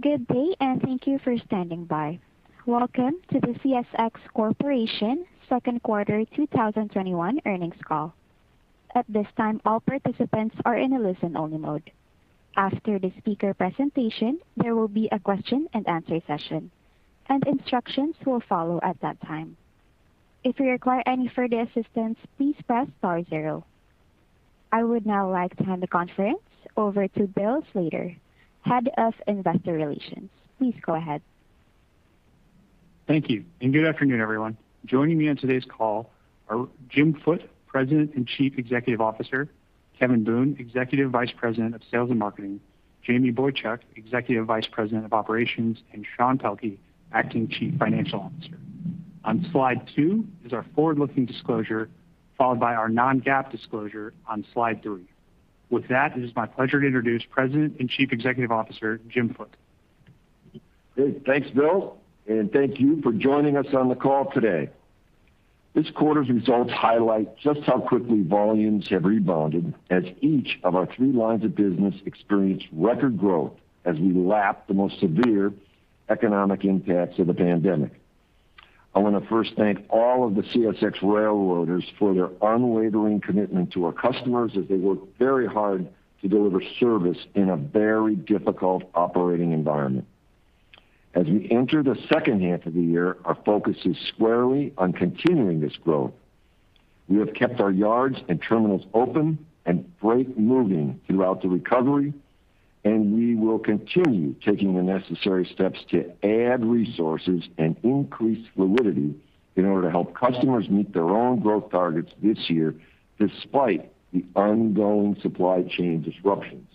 Good day, and thank you for standing by. Welcome to the CSX Corporation second quarter 2021 earnings call. At this time, all participants are in a listen-only mode. After the speaker presentation, there will be a question and answer session, and instructions will follow at that time. If you require any further assistance, please press star zero. I would now like to hand the conference over to Bill Slater, Head of Investor Relations. Please go ahead. Thank you, and good afternoon, everyone. Joining me on today's call are Jim Foote, President and Chief Executive Officer, Kevin Boone, Executive Vice President of Sales and Marketing, Jamie Boychuk, Executive Vice President of Operations, and Sean Pelkey, Acting Chief Financial Officer. On slide two is our forward-looking disclosure, followed by our non-GAAP disclosure on slide three. With that, it is my pleasure to introduce President and Chief Executive Officer, Jim Foote. Good. Thanks, Bill, and thank you for joining us on the call today. This quarter's results highlight just how quickly volumes have rebounded as each of our three lines of business experienced record growth as we lap the most severe economic impacts of the pandemic. I want to first thank all of the CSX railroaders for their unwavering commitment to our customers as they work very hard to deliver service in a very difficult operating environment. As we enter the second half of the year, our focus is squarely on continuing this growth. We have kept our yards and terminals open and freight moving throughout the recovery, and we will continue taking the necessary steps to add resources and increase fluidity in order to help customers meet their own growth targets this year, despite the ongoing supply chain disruptions.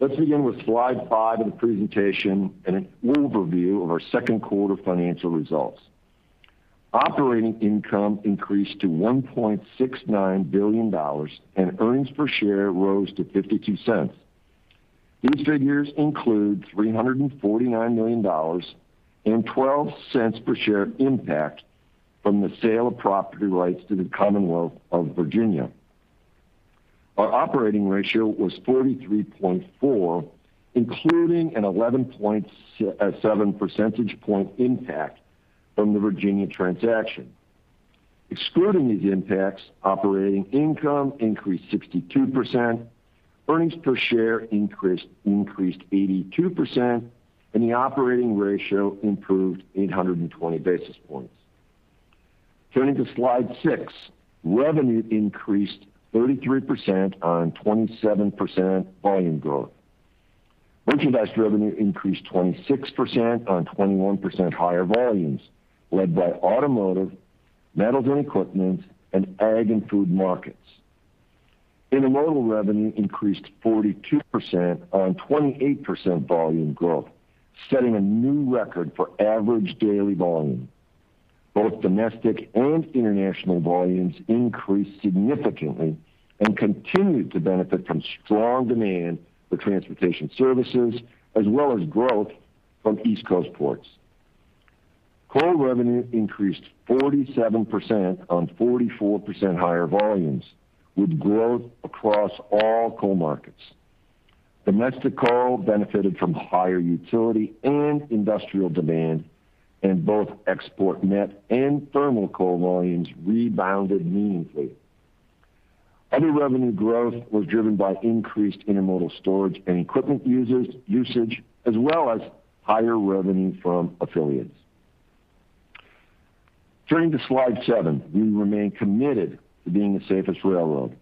Let's begin with slide five of the presentation and an overview of our second quarter financial results. Operating income increased to $1.69 billion, earnings per share rose to $0.52. These figures include $349 million and $0.12 per share impact from the sale of property rights to the Commonwealth of Virginia. Our operating ratio was 43.4, including an 11.7 percentage point impact from the Virginia transaction. Excluding these impacts, operating income increased 62%, earnings per share increased 82%, the operating ratio improved 820 basis points. Turning to slide six, revenue increased 33% on 27% volume growth. Merchandise revenue increased 26% on 21% higher volumes, led by automotive, metals and equipment, and ag and food markets. Intermodal revenue increased 42% on 28% volume growth, setting a new record for average daily volume. Both domestic and international volumes increased significantly and continued to benefit from strong demand for transportation services as well as growth from East Coast ports. Coal revenue increased 47% on 44% higher volumes, with growth across all coal markets. Domestic coal benefited from higher utility and industrial demand, and both export met and thermal coal volumes rebounded meaningfully. Other revenue growth was driven by increased intermodal storage and equipment usage, as well as higher revenue from affiliates. Turning to slide seven, we remain committed to being the safest railroad.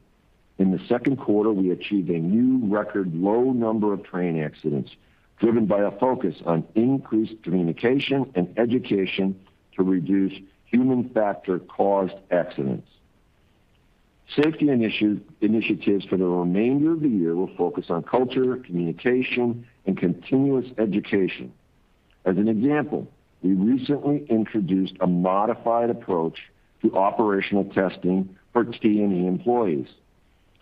In the second quarter, we achieved a new record low number of train accidents, driven by a focus on increased communication and education to reduce human-factor caused accidents. Safety initiatives for the remainder of the year will focus on culture, communication, and continuous education. As an example, we recently introduced a modified approach to operational testing for T&E employees.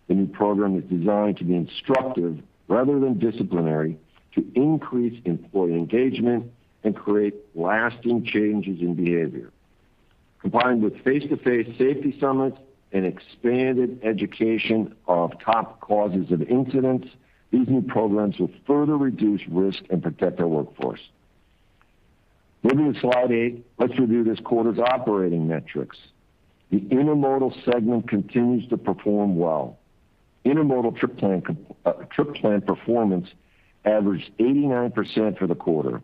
The new program is designed to be instructive rather than disciplinary to increase employee engagement and create lasting changes in behavior. Combined with face-to-face safety summits and expanded education of top causes of incidents, these new programs will further reduce risk and protect our workforce. Moving to slide eight, let's review this quarter's operating metrics. The intermodal segment continues to perform well. Intermodal trip plan performance averaged 89% for the quarter.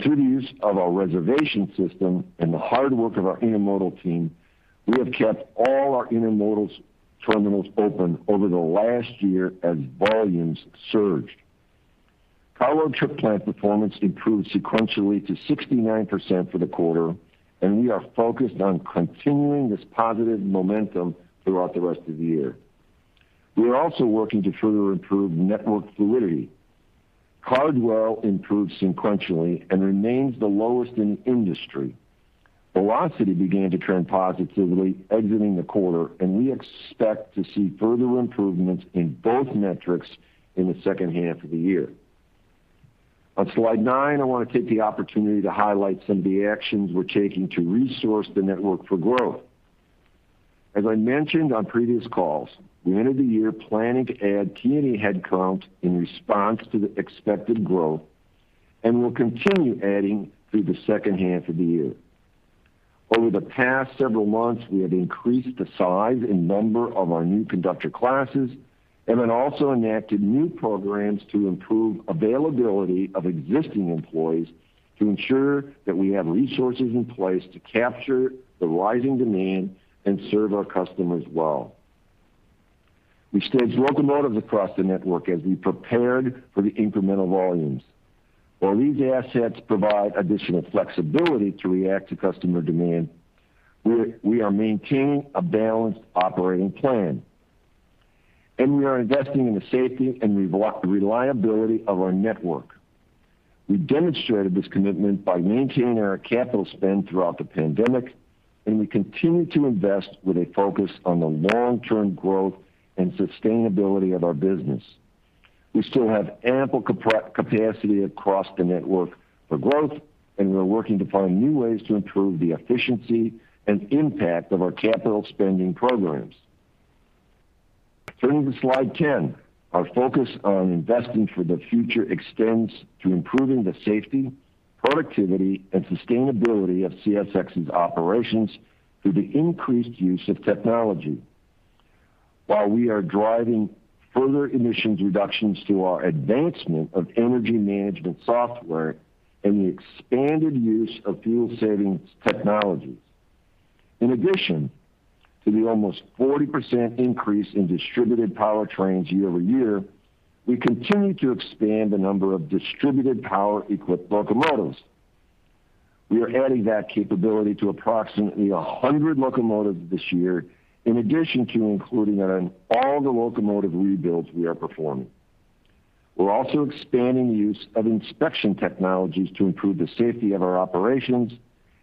Through the use of our reservation system and the hard work of our intermodal team, we have kept all our intermodal terminals open over the last year as volumes surged. Cargo trip plan performance improved sequentially to 69% for the quarter, and we are focused on continuing this positive momentum throughout the rest of the year. We are also working to further improve network fluidity. Car dwell improved sequentially and remains the lowest in the industry. Velocity began to trend positively exiting the quarter, and we expect to see further improvements in both metrics in the second half of the year. On slide nine, I want to take the opportunity to highlight some of the actions we're taking to resource the network for growth. As I mentioned on previous calls, we entered the year planning to add T&E headcount in response to the expected growth, and we'll continue adding through the second half of the year. Over the past several months, we have increased the size and number of our new conductor classes, and then also enacted new programs to improve availability of existing employees to ensure that we have resources in place to capture the rising demand and serve our customers well. We staged locomotives across the network as we prepared for the incremental volumes. While these assets provide additional flexibility to react to customer demand, we are maintaining a balanced operating plan, and we are investing in the safety and reliability of our network. We demonstrated this commitment by maintaining our capital spend throughout the pandemic, and we continue to invest with a focus on the long-term growth and sustainability of our business. We still have ample capacity across the network for growth, and we are working to find new ways to improve the efficiency and impact of our capital spending programs. Turning to slide 10, our focus on investing for the future extends to improving the safety, productivity, and sustainability of CSX's operations through the increased use of technology. While we are driving further emissions reductions through our advancement of energy management software and the expanded use of fuel-saving technologies. In addition to the almost 40% increase in distributed power year over year, we continue to expand the number of distributed power-equipped locomotives. We are adding that capability to approximately 100 locomotives this year, in addition to including it on all the locomotive rebuilds we are performing. We're also expanding the use of inspection technologies to improve the safety of our operations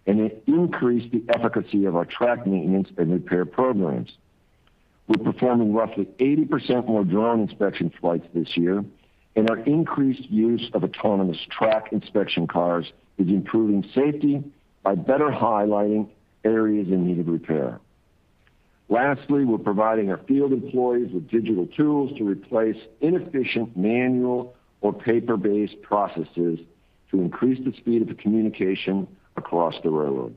and increase the efficacy of our track maintenance and repair programs. We're performing roughly 80% more drone inspection flights this year, and our increased use of autonomous track inspection cars is improving safety by better highlighting areas in need of repair. Lastly, we're providing our field employees with digital tools to replace inefficient manual or paper-based processes to increase the speed of the communication across the railroad.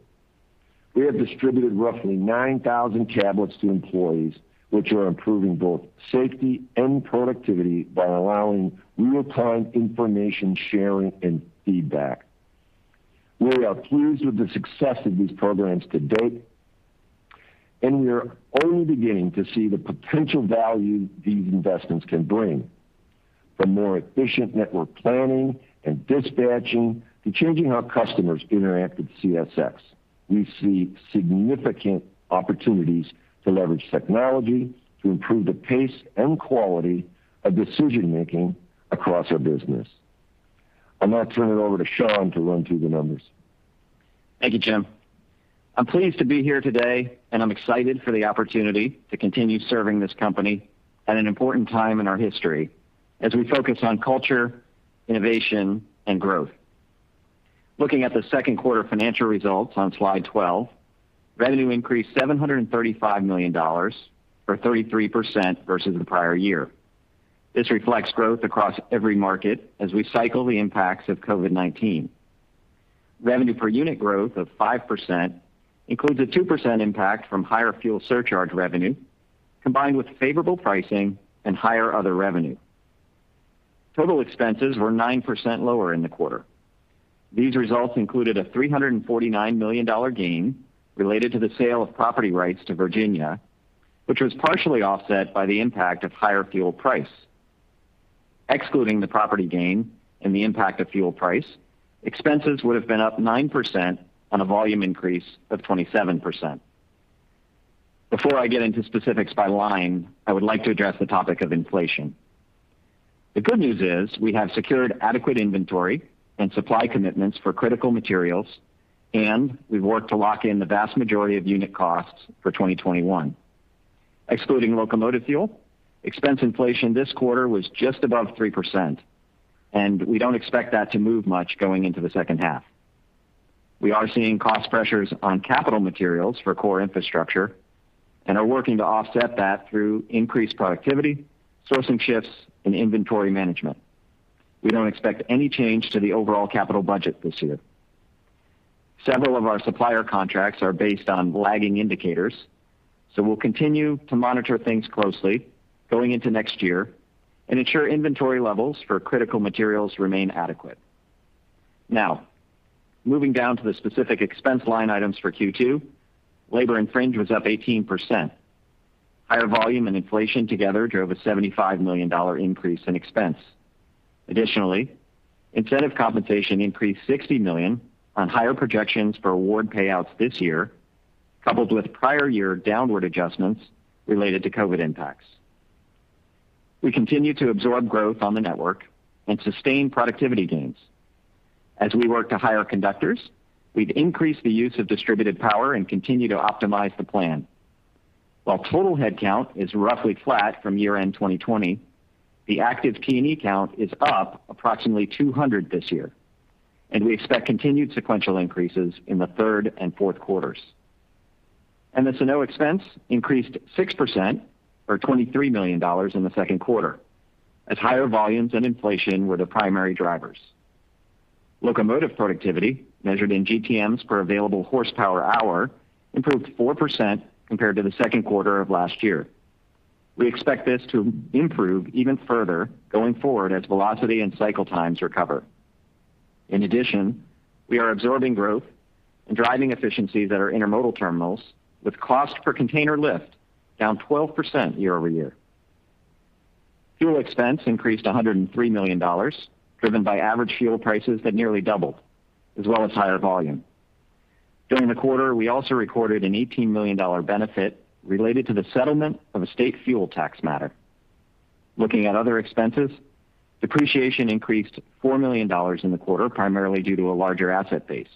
We have distributed roughly 9,000 tablets to employees, which are improving both safety and productivity by allowing real-time information sharing and feedback. We are pleased with the success of these programs to date, and we are only beginning to see the potential value these investments can bring. From more efficient network planning and dispatching to changing how customers interact with CSX, we see significant opportunities to leverage technology to improve the pace and quality of decision-making across our business. I'll now turn it over to Sean to run through the numbers. Thank you, Jim. I'm pleased to be here today, and I'm excited for the opportunity to continue serving this company at an important time in our history as we focus on culture, innovation, and growth. Looking at the second quarter financial results on slide 12, revenue increased $735 million, or 33% versus the prior year. This reflects growth across every market as we cycle the impacts of COVID-19. Revenue per unit growth of 5% includes a 2% impact from higher fuel surcharge revenue, combined with favorable pricing and higher other revenue. Total expenses were 9% lower in the quarter. These results included a $349 million gain related to the sale of property rights to Virginia, which was partially offset by the impact of higher fuel price. Excluding the property gain and the impact of fuel price, expenses would've been up 9% on a volume increase of 27%. Before I get into specifics by line, I would like to address the topic of inflation. The good news is we have secured adequate inventory and supply commitments for critical materials, and we've worked to lock in the vast majority of unit costs for 2021. Excluding locomotive fuel, expense inflation this quarter was just above 3%, and we don't expect that to move much going into the second half. We are seeing cost pressures on capital materials for core infrastructure and are working to offset that through increased productivity, sourcing shifts, and inventory management. We don't expect any change to the overall capital budget this year. Several of our supplier contracts are based on lagging indicators, so we'll continue to monitor things closely going into next year and ensure inventory levels for critical materials remain adequate. Moving down to the specific expense line items for Q2, labor and fringe was up 18%. Higher volume and inflation together drove a $75 million increase in expense. Additionally, incentive compensation increased $60 million on higher projections for award payouts this year, coupled with prior year downward adjustments related to COVID-19 impacts. We continue to absorb growth on the network and sustain productivity gains. As we work to hire conductors, we've increased the use of distributed power and continue to optimize the plan. While total headcount is roughly flat from year-end 2020, the active T&E count is up approximately 200 this year, and we expect continued sequential increases in the third and fourth quarters. MS&O expense increased 6%, or $23 million in the second quarter, as higher volumes and inflation were the primary drivers. Locomotive productivity, measured in GTMs per available horsepower hour, improved 4% compared to the second quarter of last year. We expect this to improve even further going forward as velocity and cycle times recover. In addition, we are absorbing growth and driving efficiencies at our intermodal terminals, with cost per container lift down 12% year-over-year. Fuel expense increased $103 million, driven by average fuel prices that nearly doubled, as well as higher volume. During the quarter, we also recorded an $18 million benefit related to the settlement of a state fuel tax matter. Looking at other expenses, depreciation increased $4 million in the quarter, primarily due to a larger asset base.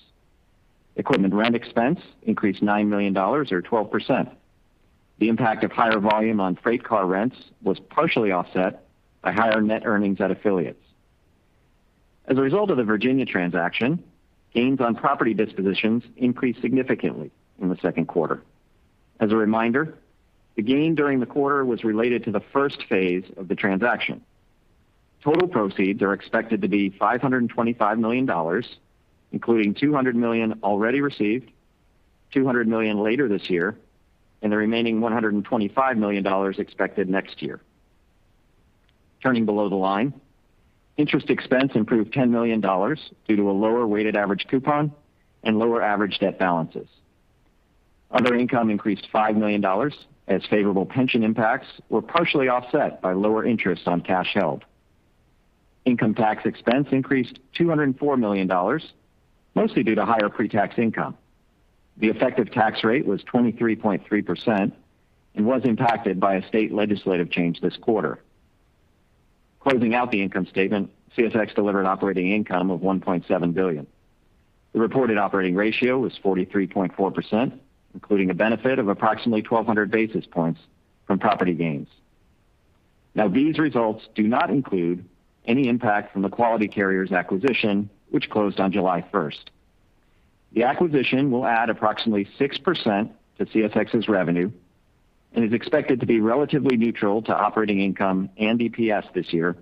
Equipment rent expense increased $9 million or 12%. The impact of higher volume on freight car rents was partially offset by higher net earnings at affiliates. As a result of the Virginia transaction, gains on property dispositions increased significantly in the second quarter. As a reminder, the gain during the quarter was related to the first phase of the transaction. Total proceeds are expected to be $525 million, including $200 million already received, $200 million later this year, and the remaining $125 million expected next year. Turning below the line, interest expense improved $10 million due to a lower weighted average coupon and lower average debt balances. Other income increased $5 million, as favorable pension impacts were partially offset by lower interest on cash held. Income tax expense increased $204 million, mostly due to higher pre-tax income. The effective tax rate was 23.3% and was impacted by a state legislative change this quarter. Closing out the income statement, CSX delivered operating income of $1.7 billion. The reported operating ratio was 43.4%, including a benefit of approximately 1,200 basis points from property gains. These results do not include any impact from the Quality Carriers acquisition, which closed on July 1st. The acquisition will add approximately 6% to CSX's revenue and is expected to be relatively neutral to operating income and EPS this year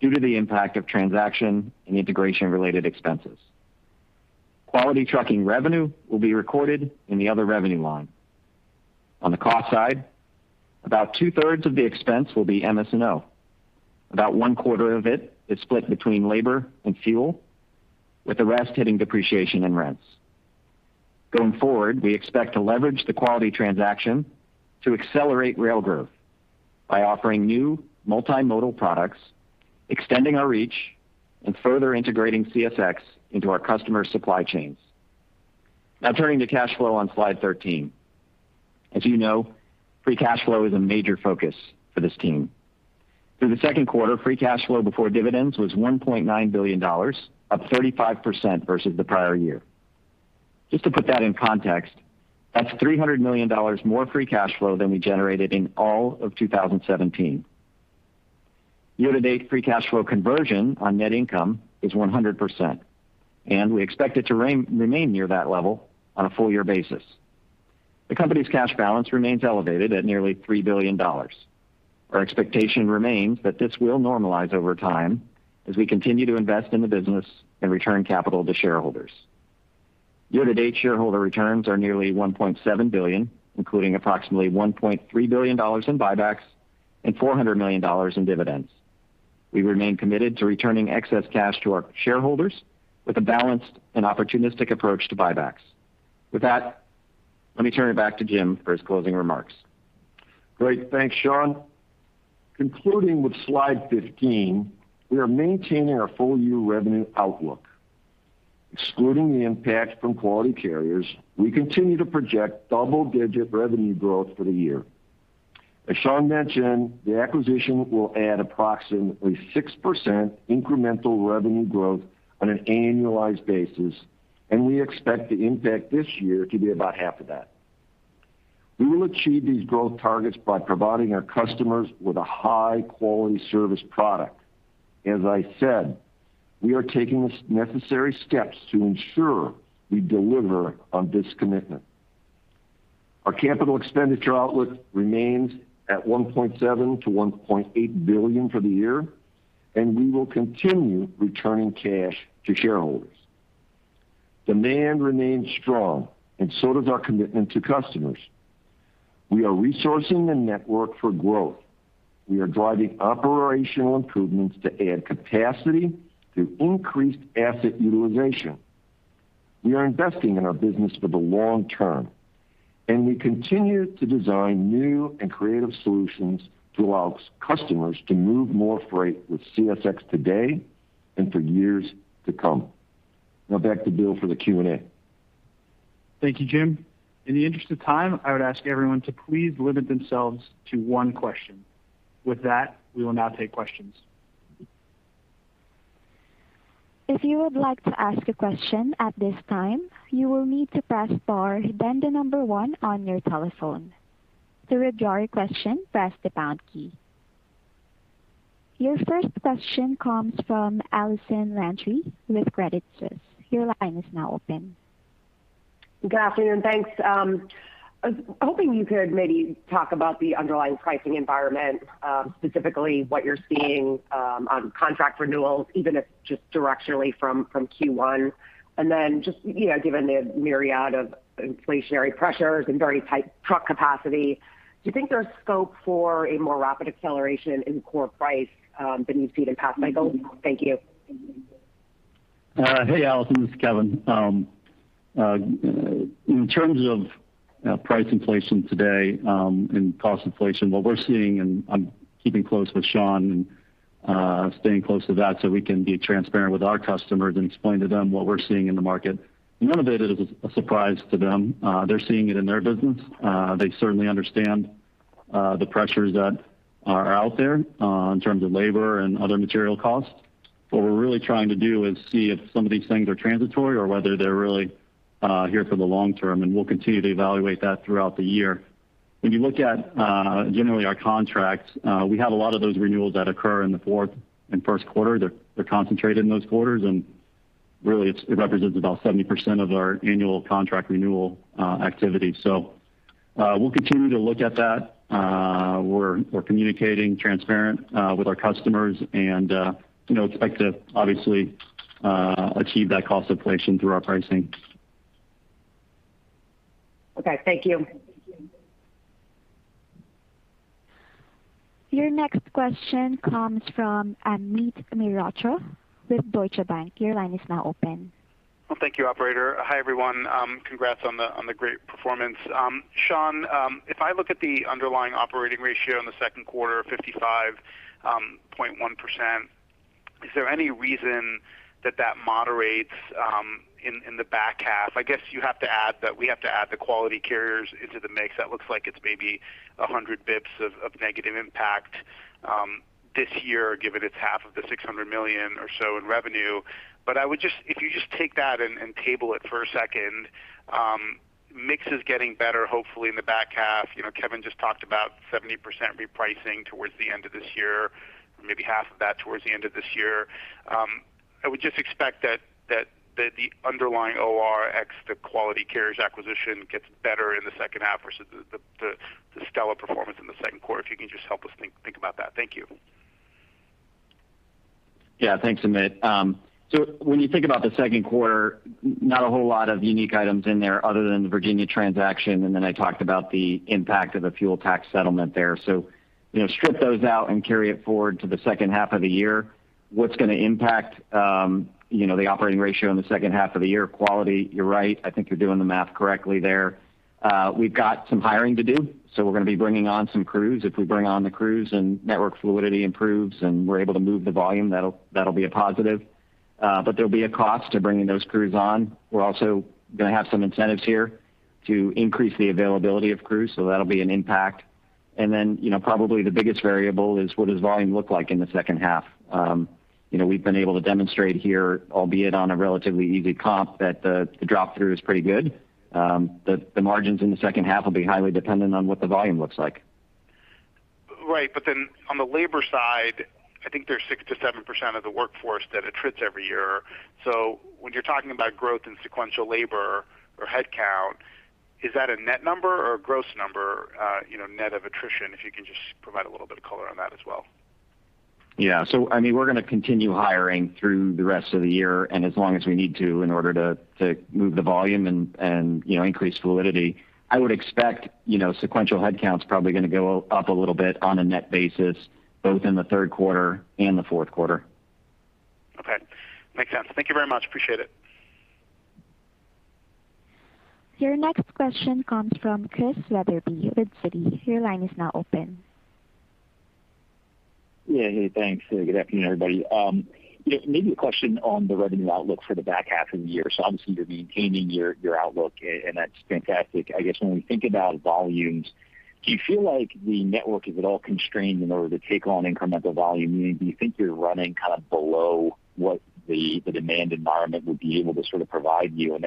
due to the impact of transaction and integration-related expenses. Quality trucking revenue will be recorded in the other revenue line. On the cost side, about two-thirds of the expense will be MS&O. About one-quarter of it is split between labor and fuel, with the rest hitting depreciation and rents. Going forward, we expect to leverage the Quality transaction to accelerate rail growth by offering new multimodal products, extending our reach, and further integrating CSX into our customer supply chains. Turning to cash flow on slide 13. As you know, free cash flow is a major focus for this team. Through the second quarter, free cash flow before dividends was $1.9 billion, up 35% versus the prior year. Just to put that in context, that's $300 million more free cash flow than we generated in all of 2017. Year-to-date free cash flow conversion on net income is 100%, and we expect it to remain near that level on a full-year basis. The company's cash balance remains elevated at nearly $3 billion. Our expectation remains that this will normalize over time as we continue to invest in the business and return capital to shareholders. Year-to-date shareholder returns are nearly $1.7 billion, including approximately $1.3 billion in buybacks and $400 million in dividends. We remain committed to returning excess cash to our shareholders with a balanced and opportunistic approach to buybacks. With that, let me turn it back to Jim for his closing remarks. Great. Thanks, Sean. Concluding with slide 15, we are maintaining our full-year revenue outlook. Excluding the impact from Quality Carriers, we continue to project double-digit revenue growth for the year. As Sean mentioned, the acquisition will add approximately 6% incremental revenue growth on an annualized basis, and we expect the impact this year to be about half of that. We will achieve these growth targets by providing our customers with a high-quality service product. As I said, we are taking the necessary steps to ensure we deliver on this commitment. Our capital expenditure outlook remains at $1.7 billion-$1.8 billion for the year, and we will continue returning cash to shareholders. Demand remains strong and so does our commitment to customers. We are resourcing the network for growth. We are driving operational improvements to add capacity through increased asset utilization. We are investing in our business for the long term, and we continue to design new and creative solutions to allow customers to move more freight with CSX today and for years to come. Now back to Bill for the Q&A. Thank you, Jim. In the interest of time, I would ask everyone to please limit themselves to one question. With that, we will now take questions. Your first question comes from Allison Landry with Credit Suisse. Your line is now open. Good afternoon, thanks. I was hoping you could maybe talk about the underlying pricing environment, specifically what you're seeing on contract renewals, even if just directionally from Q1. Then just given the myriad of inflationary pressures and very tight truck capacity, do you think there's scope for a more rapid acceleration in core price that you've seen in past cycles? Thank you. Hey, Allison, this is Kevin. In terms of price inflation today, cost inflation, what we're seeing, and I'm keeping close with Sean and staying close to that so we can be transparent with our customers and explain to them what we're seeing in the market. None of it is a surprise to them. They're seeing it in their business. They certainly understand the pressures that are out there in terms of labor and other material costs. What we're really trying to do is see if some of these things are transitory or whether they're really here for the long term, we'll continue to evaluate that throughout the year. When you look at generally our contracts, we have a lot of those renewals that occur in the fourth and first quarter. They're concentrated in those quarters, really, it represents about 70% of our annual contract renewal activity. We'll continue to look at that. We're communicating transparent with our customers and expect to obviously achieve that cost inflation through our pricing. Okay. Thank you. Your next question comes from Amit Mehrotra with Deutsche Bank. Your line is now open. Well, thank you, operator. Hi, everyone. Congrats on the great performance. Sean, if I look at the underlying operating ratio in the second quarter of 55.1%, is there any reason that moderates in the back half? I guess you have to add that we have to add the Quality Carriers into the mix. That looks like it's maybe 100 basis points of negative impact this year, given it's half of the $600 million or so in revenue. If you just take that and table it for a second, mix is getting better, hopefully, in the back half. Kevin just talked about 70% repricing towards the end of this year, maybe half of that towards the end of this year. I would just expect that the underlying OR ex the Quality Carriers acquisition gets better in the second half versus the stellar performance in the second quarter. If you can just help us think about that. Thank you. Yeah. Thanks, Amit. When you think about the second quarter, not a whole lot of unique items in there other than the Virginia transaction, and then I talked about the impact of the fuel tax settlement there. Strip those out and carry it forward to the second half of the year. What's going to impact the operating ratio in the second half of the year? Quality, you're right. I think you're doing the math correctly there. We've got some hiring to do, we're going to be bringing on some crews. If we bring on the crews and network fluidity improves, and we're able to move the volume, that'll be a positive. There'll be a cost to bringing those crews on. We're also going to have some incentives here to increase the availability of crews, that'll be an impact. Probably the biggest variable is what does volume look like in the second half? We've been able to demonstrate here, albeit on a relatively easy comp, that the drop through is pretty good. The margins in the second half will be highly dependent on what the volume looks like. Right. On the labor side, I think there's 6%-7% of the workforce that attrits every year. When you're talking about growth in sequential labor or headcount, is that a net number or a gross number net of attrition, if you can just provide a little bit of color on that as well? Yeah. We're going to continue hiring through the rest of the year and as long as we need to in order to move the volume and increase fluidity. I would expect sequential headcount is probably going to go up a little bit on a net basis, both in the third quarter and the fourth quarter. Okay. Makes sense. Thank you very much. Appreciate it. Your next question comes from Chris Wetherbee with Citi. Yeah. Hey, thanks. Good afternoon, everybody. Maybe a question on the revenue outlook for the back half of the year. Obviously you're maintaining your outlook, and that's fantastic. I guess when we think about volumes, do you feel like the network is at all constrained in order to take on incremental volume? Meaning, do you think you're running kind of below what the demand environment would be able to sort of provide you?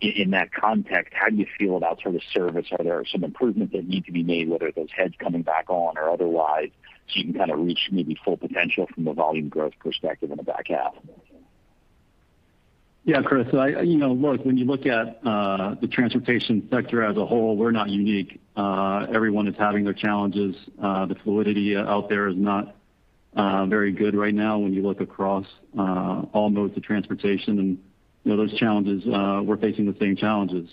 In that context, how do you feel about sort of service? Are there some improvements that need to be made, whether those heads coming back on or otherwise, so you can kind of reach maybe full potential from a volume growth perspective in the back half? Yeah, Chris. Look, when you look at the transportation sector as a whole, we're not unique. Everyone is having their challenges. The fluidity out there is not very good right now when you look across all modes of transportation. Those challenges, we're facing the same challenges.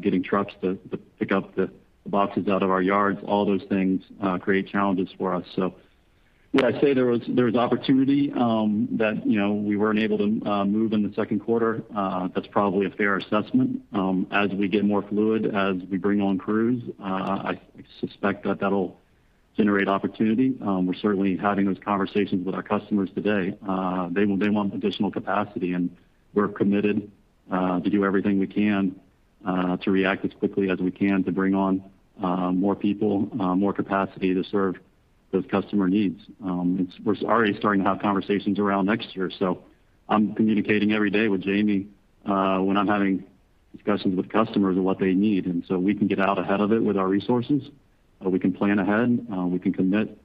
Getting trucks to pick up the boxes out of our yards, all those things create challenges for us. Would I say there was opportunity that we weren't able to move in the second quarter? That's probably a fair assessment. As we get more fluid, as we bring on crews, I suspect that that'll generate opportunity. We're certainly having those conversations with our customers today. They want additional capacity, and we're committed to do everything we can to react as quickly as we can to bring on more people, more capacity to serve our customers. Those customer needs. We're already starting to have conversations around next year. I'm communicating every day with Jamie when I'm having discussions with customers on what they need. We can get out ahead of it with our resources, we can plan ahead, we can commit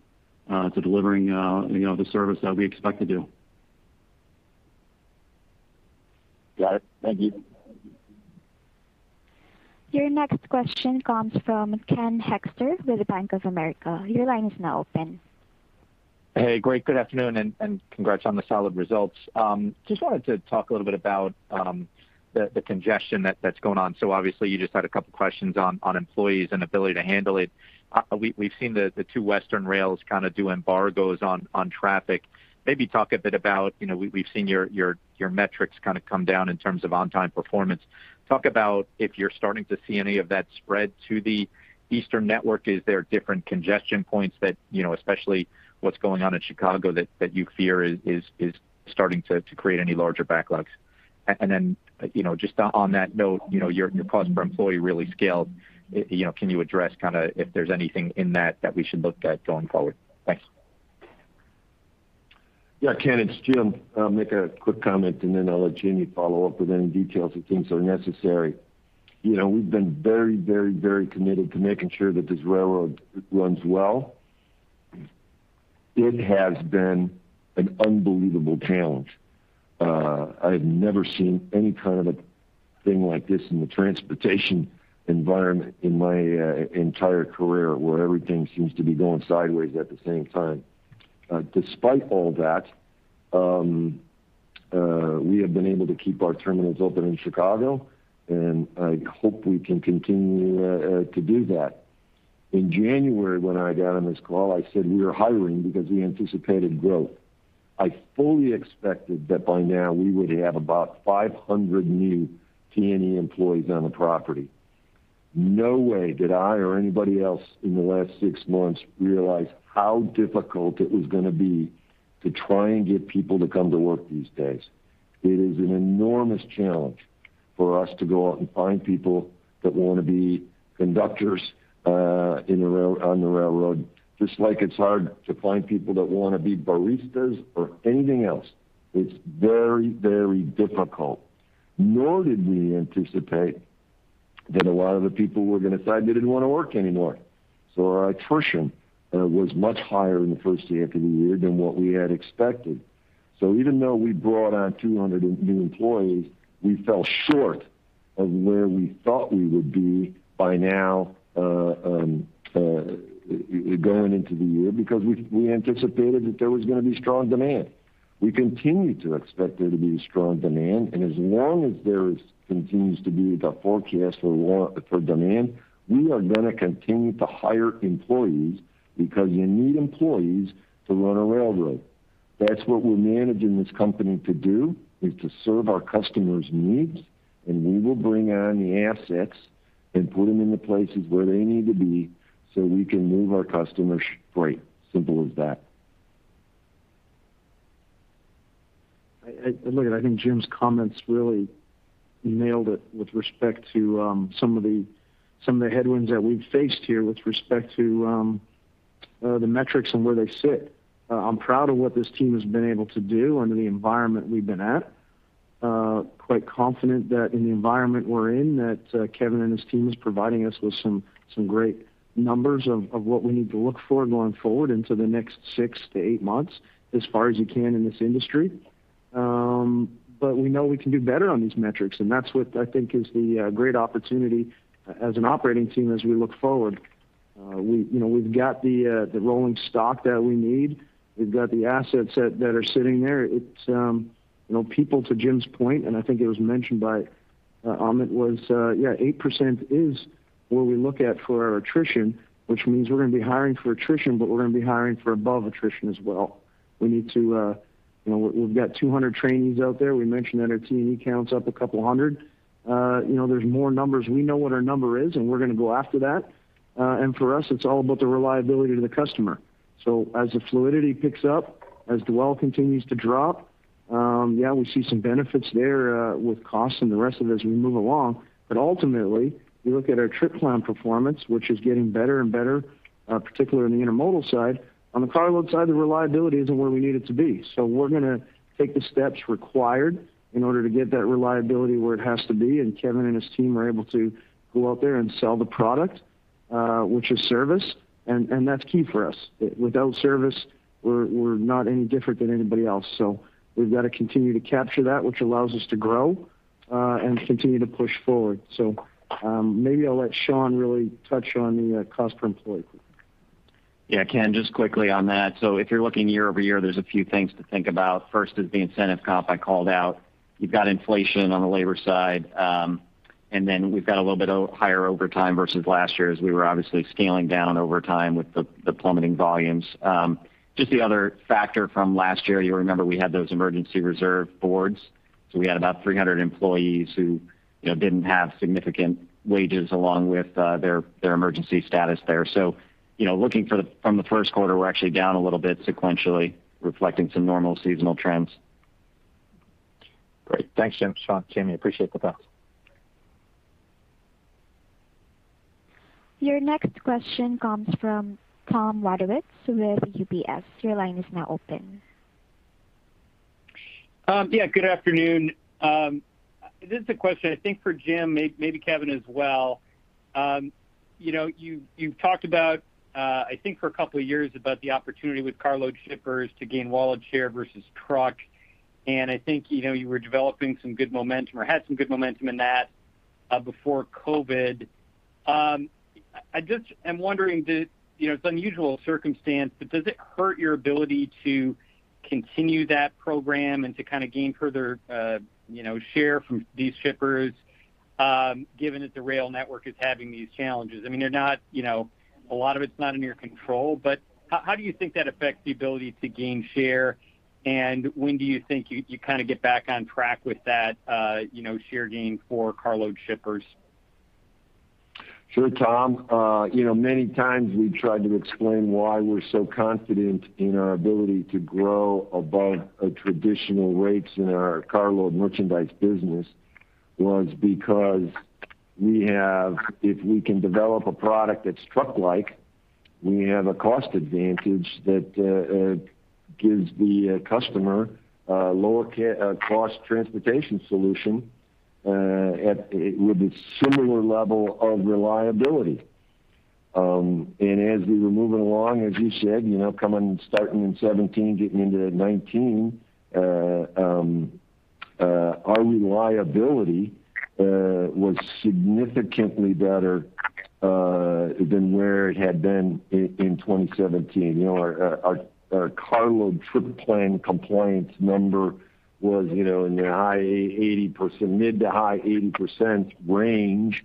to delivering the service that we expect to do. Got it. Thank you. Your next question comes from Ken Hoexter with Bank of America. Your line is now open. Hey, great. Good afternoon. Congrats on the solid results. Just wanted to talk a little bit about the congestion that's going on. Obviously, you just had a couple questions on employees and ability to handle it. We've seen the two western rails kind of do embargoes on traffic. Maybe talk a bit about, we've seen your metrics kind of come down in terms of on-time performance. Talk about if you're starting to see any of that spread to the eastern network. Is there different congestion points that, especially what's going on in Chicago that you fear is starting to create any larger backlogs? On that note, your cost per employee really scaled. Can you address if there's anything in that that we should look at going forward? Thanks. Yeah, Ken, it's Jim. I'll make a quick comment, and then I'll let Jamie follow up with any details he thinks are necessary. We've been very committed to making sure that this railroad runs well. It has been an unbelievable challenge. I have never seen any kind of a thing like this in the transportation environment in my entire career where everything seems to be going sideways at the same time. Despite all that, we have been able to keep our terminals open in Chicago, and I hope we can continue to do that. In January, when I got on this call, I said we are hiring because we anticipated growth. I fully expected that by now we would have about 500 new T&E employees on the property. No way did I or anybody else in the last six months realize how difficult it was going to be to try and get people to come to work these days. It is an enormous challenge for us to go out and find people that want to be conductors on the railroad. Just like it's hard to find people that want to be baristas or anything else. It's very difficult. Nor did we anticipate that a lot of the people were going to decide they didn't want to work anymore. Our attrition was much higher in the first half of the year than what we had expected. Even though we brought on 200 new employees, we fell short of where we thought we would be by now, going into the year because we anticipated that there was going to be strong demand. We continue to expect there to be strong demand. As long as there continues to be the forecast for demand, we are going to continue to hire employees because you need employees to run a railroad. That's what we're managing this company to do, is to serve our customers' needs. We will bring on the assets and put them in the places where they need to be so we can move our customers' freight. Simple as that. Look, I think Jim Foote's comments really nailed it with respect to some of the headwinds that we've faced here with respect to the metrics and where they sit. I'm proud of what this team has been able to do under the environment we've been at. Quite confident that in the environment we're in, that Kevin Boone and his team is providing us with some great numbers of what we need to look for going forward into the next six to eight months, as far as you can in this industry. We know we can do better on these metrics, and that's what I think is the great opportunity as an operating team as we look forward. We've got the rolling stock that we need. We've got the assets that are sitting there. It's people, to Jim's point, and I think it was mentioned by Amit, 8% is where we look at for our attrition, which means we're going to be hiring for attrition, but we're going to be hiring for above attrition as well. We've got 200 trainees out there. We mentioned that our T&E count's up a couple hundred. There's more numbers. We know what our number is, and we're going to go after that. For us, it's all about the reliability to the customer. As the fluidity picks up, as the well continues to drop, yeah, we see some benefits there with cost and the rest of it as we move along. Ultimately, we look at our trip plan performance, which is getting better and better, particularly on the intermodal side. On the carload side, the reliability isn't where we need it to be. We're going to take the steps required in order to get that reliability where it has to be, and Kevin and his team are able to go out there and sell the product, which is service, and that's key for us. Without service, we're not any different than anybody else. We've got to continue to capture that, which allows us to grow, and continue to push forward. Maybe I'll let Sean really touch on the cost per employee. Yeah, Ken, just quickly on that. If you're looking year-over-year, there's a few things to think about. First is the incentive comp I called out. You've got inflation on the labor side. Then we've got a little bit of higher overtime versus last year, as we were obviously scaling down over time with the plummeting volumes. Just the other factor from last year, you'll remember we had those emergency reserve boards. We had about 300 employees who didn't have significant wages along with their emergency status there. Looking from the first quarter, we're actually down a little bit sequentially, reflecting some normal seasonal trends. Great. Thanks, Jim, Sean, Jamie. Appreciate the thoughts. Your next question comes from Tom Wadewitz with UBS. Your line is now open. Yeah, good afternoon. This is a question, I think, for Jim, maybe Kevin as well. You've talked about, I think for a couple of years, about the opportunity with carload shippers to gain wallet share versus truck. I think you were developing some good momentum or had some good momentum in that before COVID-19. I just am wondering, it's unusual circumstance, but does it hurt your ability to continue that program and to gain further share from these shippers, given that the rail network is having these challenges? A lot of it's not in your control, but how do you think that affects the ability to gain share? When do you think you get back on track with that share gain for carload shippers? Sure, Tom. Many times we've tried to explain why we're so confident in our ability to grow above traditional rates in our carload merchandise business was because if we can develop a product that's truck-like, we have a cost advantage that gives the customer a lower cost transportation solution with a similar level of reliability. As we were moving along, as you said, starting in 2017, getting into 2019, our reliability was significantly better than where it had been in 2017. Our carload trip plan compliance number was in the mid to high 80% range.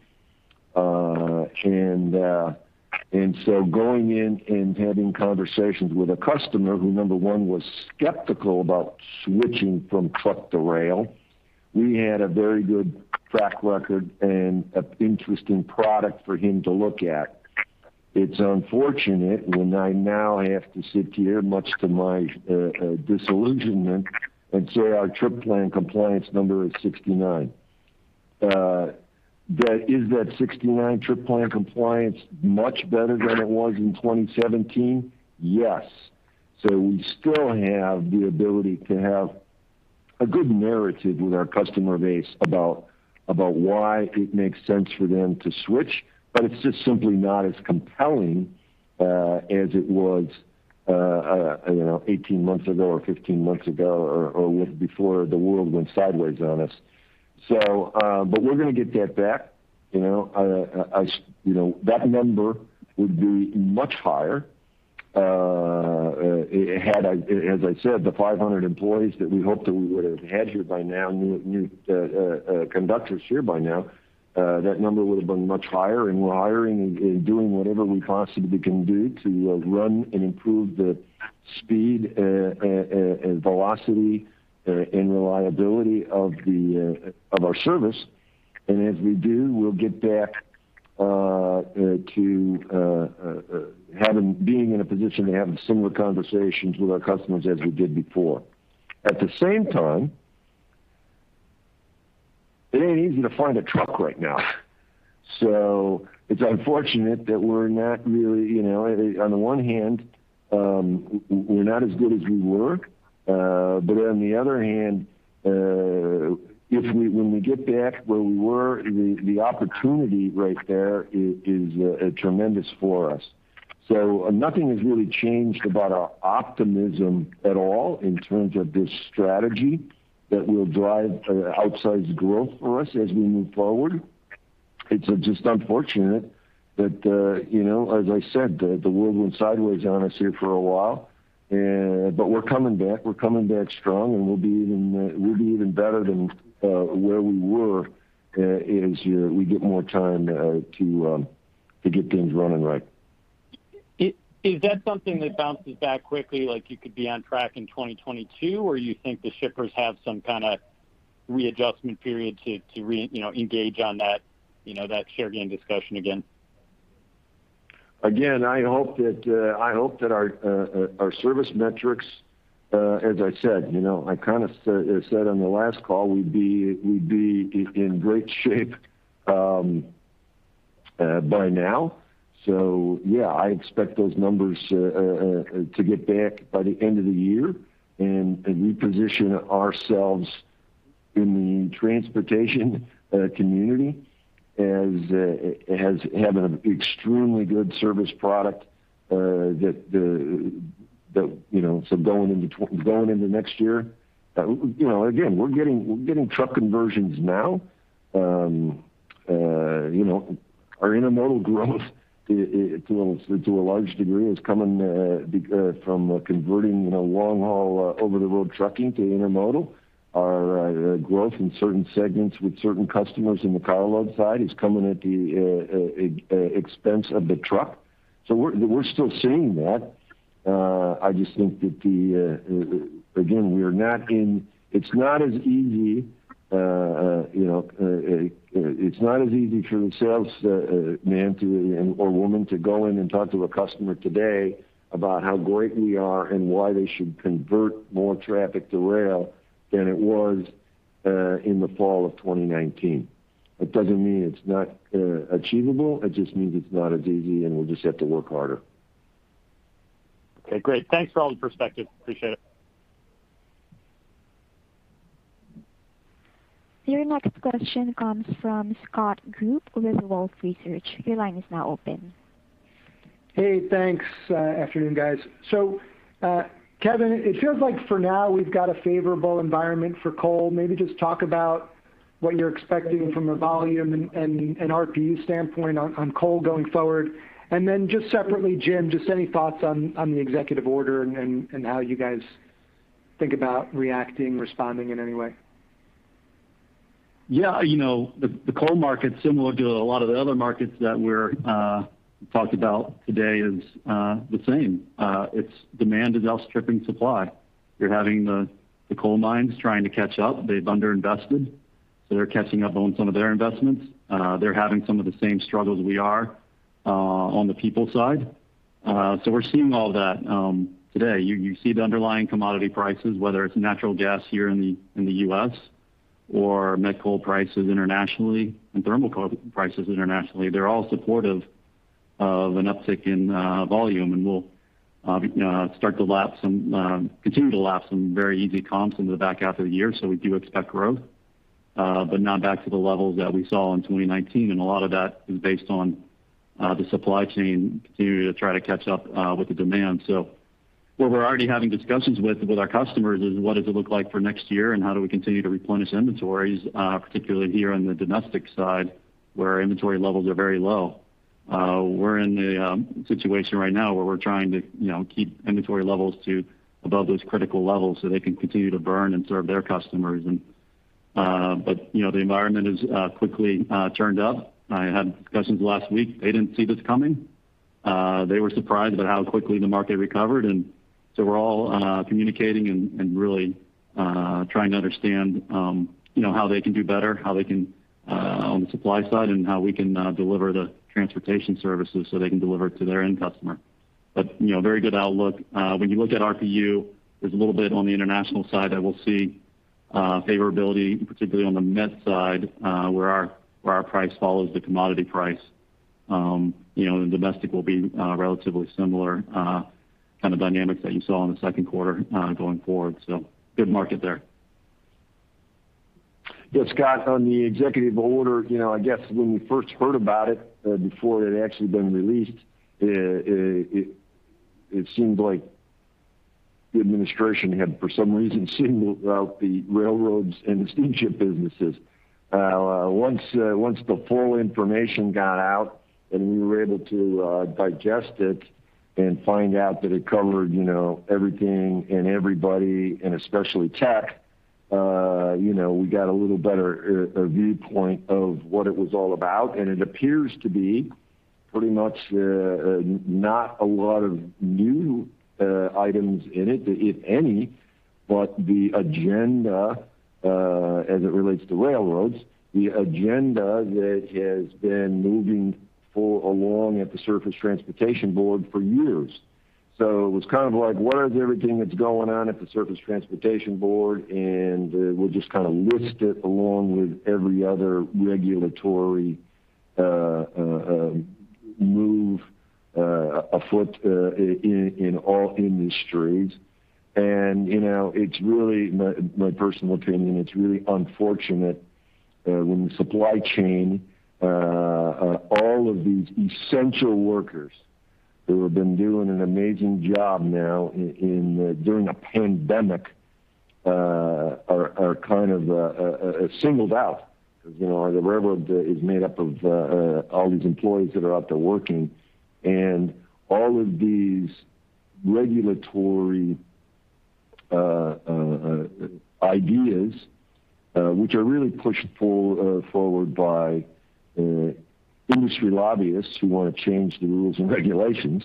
Going in and having conversations with a customer who, number one, was skeptical about switching from truck to rail, we had a very good track record and an interesting product for him to look at. It's unfortunate when I now have to sit here, much to my disillusionment, and say our trip plan compliance number is 69. Is that 69 trip plan compliance much better than it was in 2017? Yes. We still have the ability to have a good narrative with our customer base about why it makes sense for them to switch, but it's just simply not as compelling as it was 18 months ago or 15 months ago or before the world went sideways on us. We're going to get that back. That number would be much higher had, as I said, the 500 employees that we hoped that we would have had here by now, new conductors here by now, that number would have been much higher. We're hiring and doing whatever we possibly can do to run and improve the speed and velocity and reliability of our service. As we do, we'll get back to being in a position to have similar conversations with our customers as we did before. At the same time, it ain't easy to find a truck right now. It's unfortunate that on the one hand, we're not as good as we were, but on the other hand, when we get back where we were, the opportunity right there is tremendous for us. Nothing has really changed about our optimism at all in terms of this strategy that will drive outsized growth for us as we move forward. It's just unfortunate that, as I said, the world went sideways on us here for a while. We're coming back. We're coming back strong, and we'll be even better than where we were as we get more time to get things running right. Is that something that bounces back quickly, like you could be on track in 2022? You think the shippers have some kind of readjustment period to re-engage on that share gain discussion again? Again, I hope that our service metrics, as I said on the last call, we'd be in great shape by now. Yeah, I expect those numbers to get back by the end of the year and reposition ourselves in the transportation community as having an extremely good service product going into next year. Again, we're getting truck conversions now. Our intermodal growth, to a large degree, is coming from converting long-haul, over-the-road trucking to intermodal. Our growth in certain segments with certain customers in the carload side is coming at the expense of the truck. We're still seeing that. I just think that, again, it's not as easy for a sales man or woman to go in and talk to a customer today about how great we are and why they should convert more traffic to rail than it was In the fall of 2019. It doesn't mean it's not achievable, it just means it's not as easy, and we'll just have to work harder. Okay, great. Thanks for all the perspective. Appreciate it. Your next question comes from Scott Group with Wolfe Research. Hey, thanks. Afternoon, guys. Kevin, it feels like for now we've got a favorable environment for coal. Maybe just talk about what you're expecting from a volume and RPU standpoint on coal going forward. Just separately, Jim, just any thoughts on the executive order and how you guys think about reacting, responding in any way? Yeah. The coal market, similar to a lot of the other markets that we're talked about today, is the same. Its demand is outstripping supply. You're having the coal mines trying to catch up. They've under-invested, so they're catching up on some of their investments. They're having some of the same struggles we are on the people side. We're seeing all that today. You see the underlying commodity prices, whether it's natural gas here in the U.S. or met coal prices internationally and thermal coal prices internationally. They're all supportive of an uptick in volume, and we'll continue to lap some very easy comps into the back half of the year. We do expect growth. Not back to the levels that we saw in 2019, and a lot of that is based on the supply chain continue to try to catch up with the demand. What we're already having discussions with our customers is what does it look like for next year and how do we continue to replenish inventories, particularly here on the domestic side, where our inventory levels are very low. We're in a situation right now where we're trying to keep inventory levels to above those critical levels so they can continue to burn and serve their customers. The environment has quickly churned up. I had discussions last week. They didn't see this coming. They were surprised at how quickly the market recovered. We're all communicating and really trying to understand how they can do better on the supply side and how we can deliver the transportation services so they can deliver to their end customer. Very good outlook. When you look at RPU, there is a little bit on the international side that we will see favorability, particularly on the met side, where our price follows the commodity price. Domestic will be relatively similar kind of dynamics that you saw in the second quarter going forward. Good market there. Yeah, Scott, on the executive order, I guess when we first heard about it, before it had actually been released, it seemed like the administration had, for some reason, singled out the railroads and the steamship businesses. Once the full information got out and we were able to digest it and find out that it covered everything and everybody and especially tech, we got a little better viewpoint of what it was all about. It appears to be pretty much not a lot of new items in it, if any, but the agenda, as it relates to railroads, the agenda that has been moving along at the Surface Transportation Board for years. It was kind of like, what is everything that's going on at the Surface Transportation Board? We'll just kind of list it along with every other regulatory move afoot in all industries. My personal opinion, it's really unfortunate when the supply chain, all of these essential workers who have been doing an amazing job now during a pandemic, are kind of singled out. Because the railroad is made up of all these employees that are out there working. All of these regulatory ideas, which are really pushed forward by industry lobbyists who want to change the rules and regulations,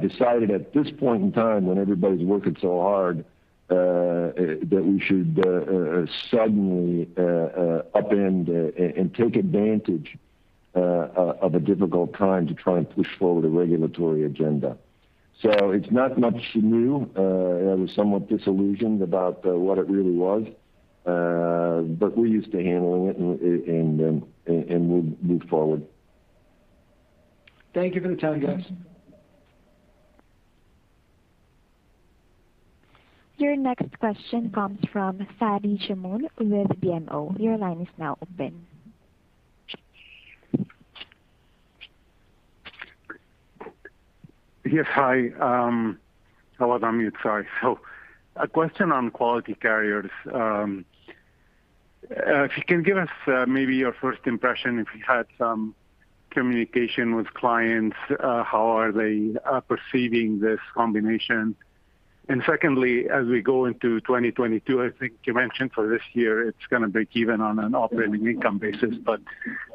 decided at this point in time when everybody's working so hard, that we should suddenly upend and take advantage of a difficult time to try and push forward a regulatory agenda. It's not much new. I was somewhat disillusioned about what it really was. We're used to handling it, and we'll move forward. Thank you for the time, guys. Your next question comes from Fadi Chamoun with BMO. Your line is now open. Yes. Hi. I was on mute, sorry. A question on Quality Carriers. If you can give us maybe your first impression, if you had some communication with clients, how are they perceiving this combination? Secondly, as we go into 2022, I think you mentioned for this year it's going to break even on an operating income basis.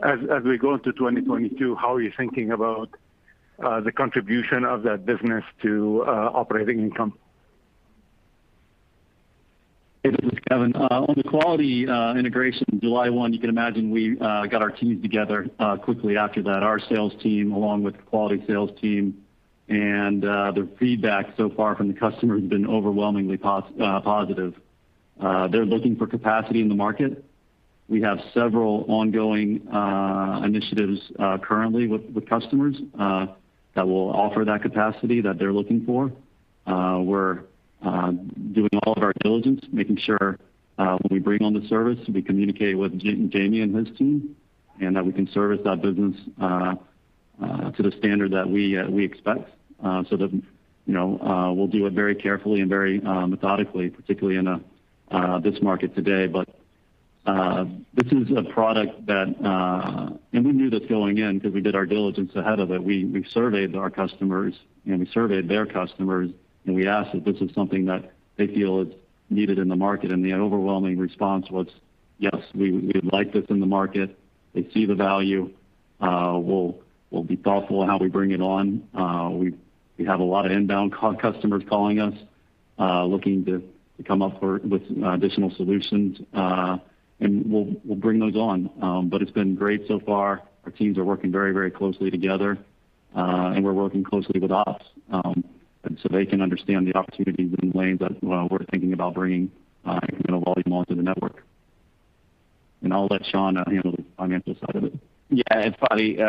As we go into 2022, how are you thinking about the contribution of that business to operating income? Hey, this is Kevin. On the Quality integration, July 1, you can imagine we got our teams together quickly after that. Our sales team along with the Quality sales team. The feedback so far from the customer has been overwhelmingly positive. They're looking for capacity in the market. We have several ongoing initiatives currently with customers that will offer that capacity that they're looking for. We're doing all of our diligence, making sure when we bring on the service, we communicate with Jamie and his team, and that we can service that business to the standard that we expect. We'll do it very carefully and very methodically, particularly in this market today. This is a product that. We knew this going in because we did our diligence ahead of it. We surveyed our customers, we surveyed their customers, we asked if this is something that they feel is needed in the market. The overwhelming response was, "Yes, we would like this in the market." They see the value. We'll be thoughtful in how we bring it on. We have a lot of inbound customers calling us, looking to come up with additional solutions. We'll bring those on. It's been great so far. Our teams are working very closely together, we're working closely with ops, so they can understand the opportunities and lanes that we're thinking about bringing volume onto the network. I'll let Sean handle the financial side of it. Fadi,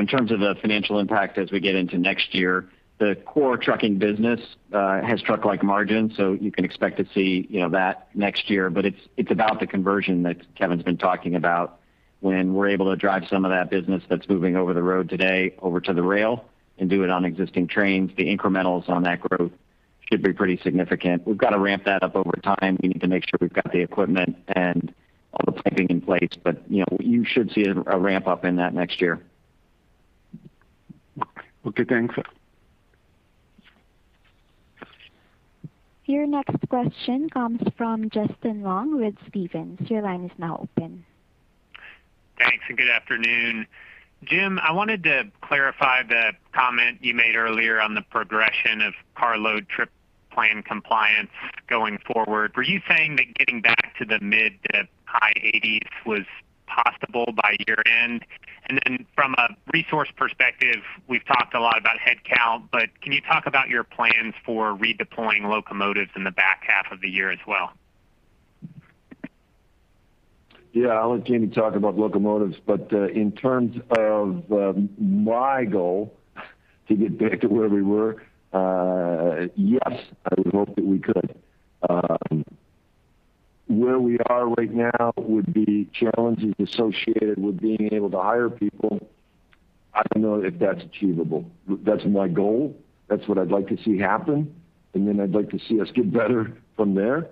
in terms of the financial impact as we get into next year, the core trucking business has truck-like margins, so you can expect to see that next year. It's about the conversion that Kevin's been talking about. When we're able to drive some of that business that's moving over the road today over to the rail and do it on existing trains, the incrementals on that growth should be pretty significant. We've got to ramp that up over time. We need to make sure we've got the equipment and all the piping in place. You should see a ramp-up in that next year. Okay, thanks. Your next question comes from Justin Long with Stephens. Your line is now open. Thanks, good afternoon. Jim, I wanted to clarify the comment you made earlier on the progression of car load trip plan compliance going forward. Were you saying that getting back to the mid to high 80s was possible by year-end? From a resource perspective, we've talked a lot about headcount, but can you talk about your plans for redeploying locomotives in the back half of the year as well? Yeah, I'll let Jamie talk about locomotives. In terms of my goal to get back to where we were, yes, I would hope that we could. Where we are right now would be challenges associated with being able to hire people. I don't know if that's achievable. That's my goal. That's what I'd like to see happen. I'd like to see us get better from there.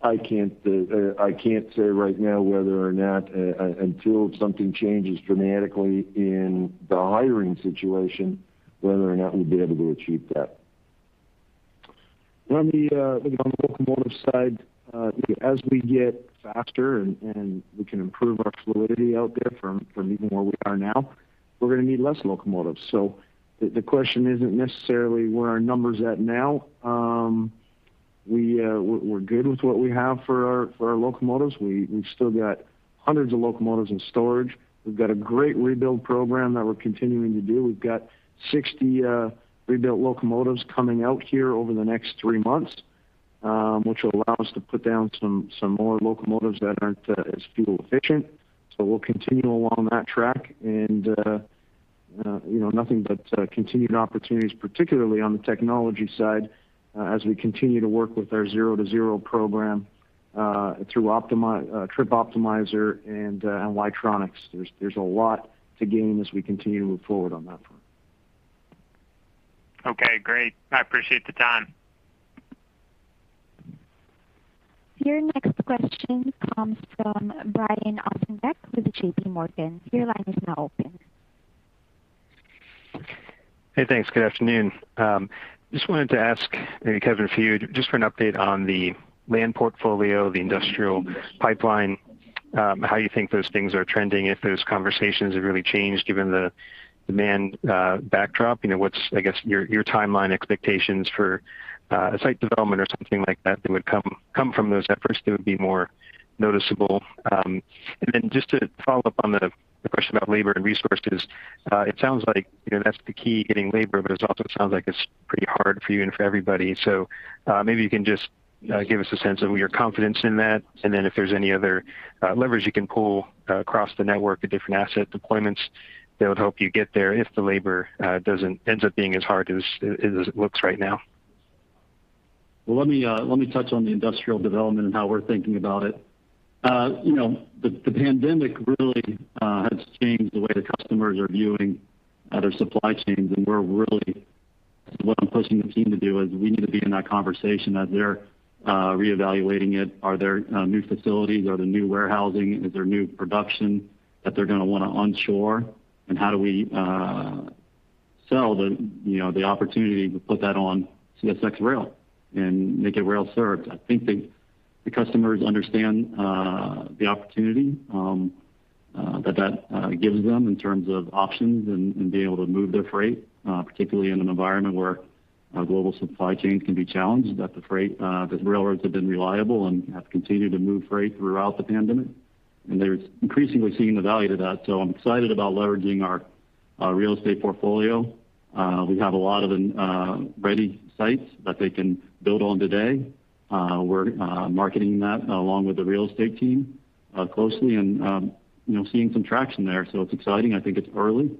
I can't say right now whether or not, until something changes dramatically in the hiring situation, whether or not we'd be able to achieve that. On the locomotive side, as we get faster and we can improve our fluidity out there from even where we are now, we're going to need less locomotives. The question isn't necessarily where our number's at now. We're good with what we have for our locomotives. We've still got hundreds of locomotives in storage. We've got a great rebuild program that we're continuing to do. We've got 60 rebuilt locomotives coming out here over the next three months, which will allow us to put down some more locomotives that aren't as fuel efficient. We'll continue along that track and nothing but continued opportunities, particularly on the technology side, as we continue to work with our Zero-to-Zero program through Trip Optimizer and LOCOTROL. There's a lot to gain as we continue to move forward on that front. Okay, great. I appreciate the time. Your next question comes from Brian Ossenbeck with JPMorgan. Your line is now open. Hey, thanks. Good afternoon. Just wanted to ask maybe Kevin Boone just for an update on the land portfolio, the industrial pipeline, how you think those things are trending, if those conversations have really changed given the demand backdrop. What's, I guess, your timeline expectations for a site development or something like that would come from those efforts that would be more noticeable? Then just to follow up on the question about labor and resources, it sounds like that's the key, getting labor, but it also sounds like it's pretty hard for you and for everybody. Maybe you can just give us a sense of your confidence in that, and then if there's any other levers you can pull across the network at different asset deployments that would help you get there if the labor ends up being as hard as it looks right now. Well, let me touch on the industrial development and how we're thinking about it. The pandemic really has changed the way the customers are viewing their supply chains. What I'm pushing the team to do is we need to be in that conversation as they're reevaluating it. Are there new facilities? Are there new warehousing? Is there new production that they're going to want to onshore? How do we sell the opportunity to put that on CSX rail and make it rail-served? I think the customers understand the opportunity that that gives them in terms of options and being able to move their freight, particularly in an environment where global supply chains can be challenged, that the railroads have been reliable and have continued to move freight throughout the pandemic. They're increasingly seeing the value to that. I'm excited about leveraging our real estate portfolio. We have a lot of ready sites that they can build on today. We're marketing that along with the real estate team closely and seeing some traction there, so it's exciting. I think it's early,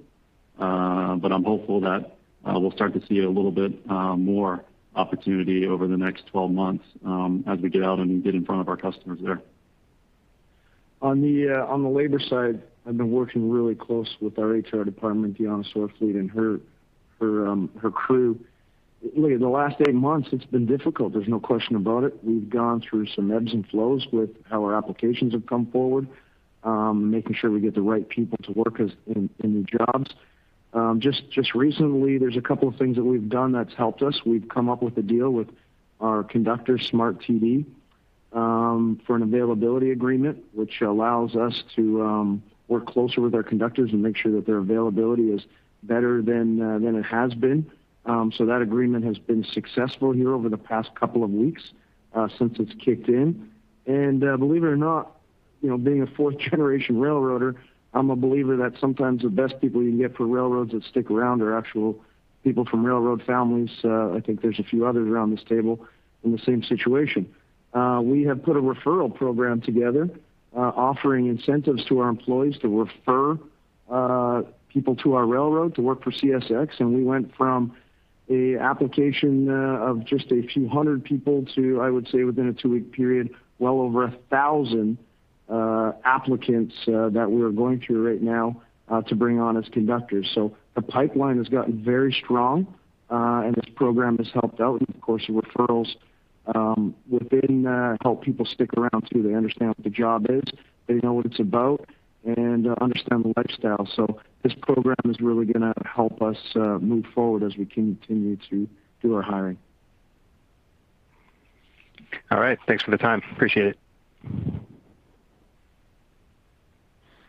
but I'm hopeful that we'll start to see a little bit more opportunity over the next 12 months as we get out and get in front of our customers there. On the labor side, I've been working really closely with our HR department, Diana Sorfleet and her crew. Look, the last eight months, it's been difficult, there's no question about it. We've gone through some ebbs and flows with how our applications have come forward, making sure we get the right people to work in new jobs. Just recently, there's two things that we've done that's helped us. We've come up with a deal with our conductor, SMART-TD, for an availability agreement, which allows us to work closer with our conductors and make sure that their availability is better than it has been. That agreement has been successful here over the past two weeks since it's kicked in. Believe it or not, being a fourth-generation railroader, I'm a believer that sometimes the best people you can get for railroads that stick around are actual people from railroad families. I think there's a few others around this table in the same situation. We have put a referral program together offering incentives to our employees to refer people to our railroad to work for CSX, and we went from an application of just a few hundred people to, I would say within a two-week period, well over 1,000 applicants that we are going through right now to bring on as conductors. The pipeline has gotten very strong and this program has helped out. Of course, the referrals within help people stick around too. They understand what the job is, they know what it's about, and understand the lifestyle. This program is really going to help us move forward as we continue to do our hiring. All right. Thanks for the time. Appreciate it.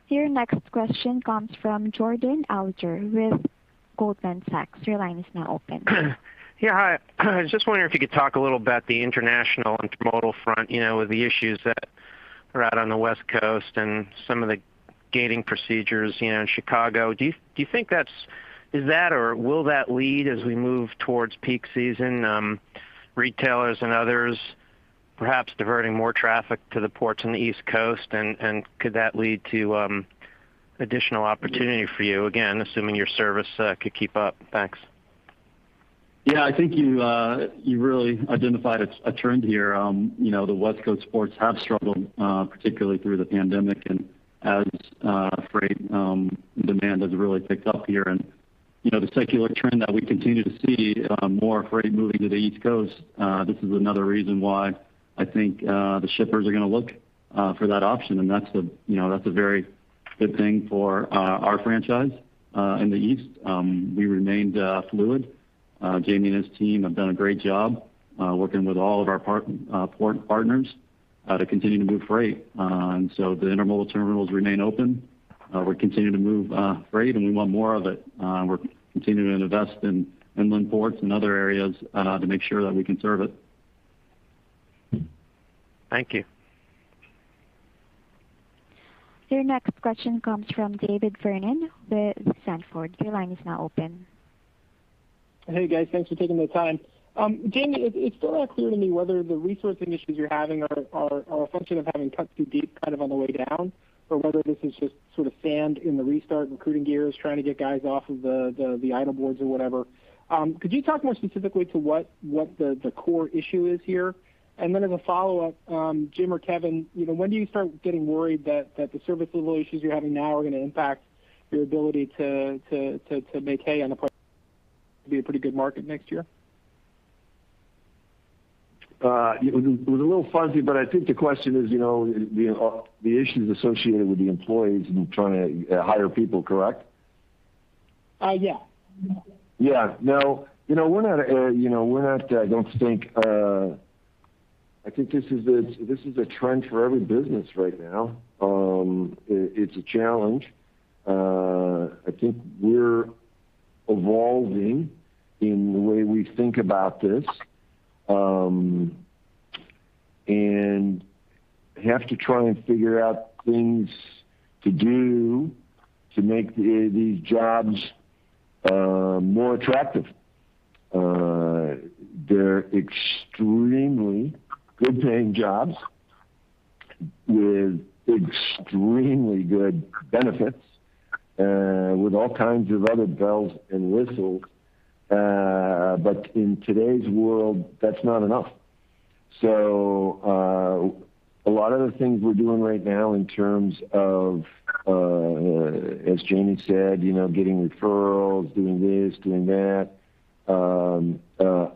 Your next question comes from Jordan Alliger with Goldman Sachs. Your line is now open. Yeah. Hi. I was just wondering if you could talk a little about the international intermodal front, with the issues that are out on the West Coast and some of the gating procedures in Chicago. Is that or will that lead as we move towards peak season, retailers and others perhaps diverting more traffic to the ports on the East Coast and could that lead to additional opportunity for you? Again, assuming your service could keep up. Thanks. Yeah, I think you really identified a trend here. The West Coast ports have struggled, particularly through the pandemic and as freight demand has really picked up here. The secular trend that we continue to see, more freight moving to the East Coast, this is another reason why I think the shippers are going to look for that option, and that's a very good thing for our franchise in the East. We remained fluid. Jamie and his team have done a great job working with all of our port partners to continue to move freight. The intermodal terminals remain open. We continue to move freight, and we want more of it. We're continuing to invest in inland ports and other areas to make sure that we can serve it. Thank you. Your next question comes from David Vernon with Sanford. Your line is now open. Hey, guys. Thanks for taking the time. Jamie, it's still not clear to me whether the resourcing issues you're having are a function of having cut too deep on the way down or whether this is just sand in the restart, recruiting gears, trying to get guys off of the idle boards or whatever. Could you talk more specifically to what the core issue is here? As a follow-up, Jim or Kevin, when do you start getting worried that the service level issues you're having now are going to impact your ability to make hay be a pretty good market next year? It was a little fuzzy, but I think the question is the issues associated with the employees and trying to hire people, correct? Yeah. Yeah. No. I think this is a trend for every business right now. It's a challenge. I think we're evolving in the way we think about this. We have to try and figure out things to do to make these jobs more attractive. They're extremely good-paying jobs with extremely good benefits, with all kinds of other bells and whistles. In today's world, that's not enough. A lot of the things we're doing right now in terms of, as Jamie said, getting referrals, doing this, doing that, are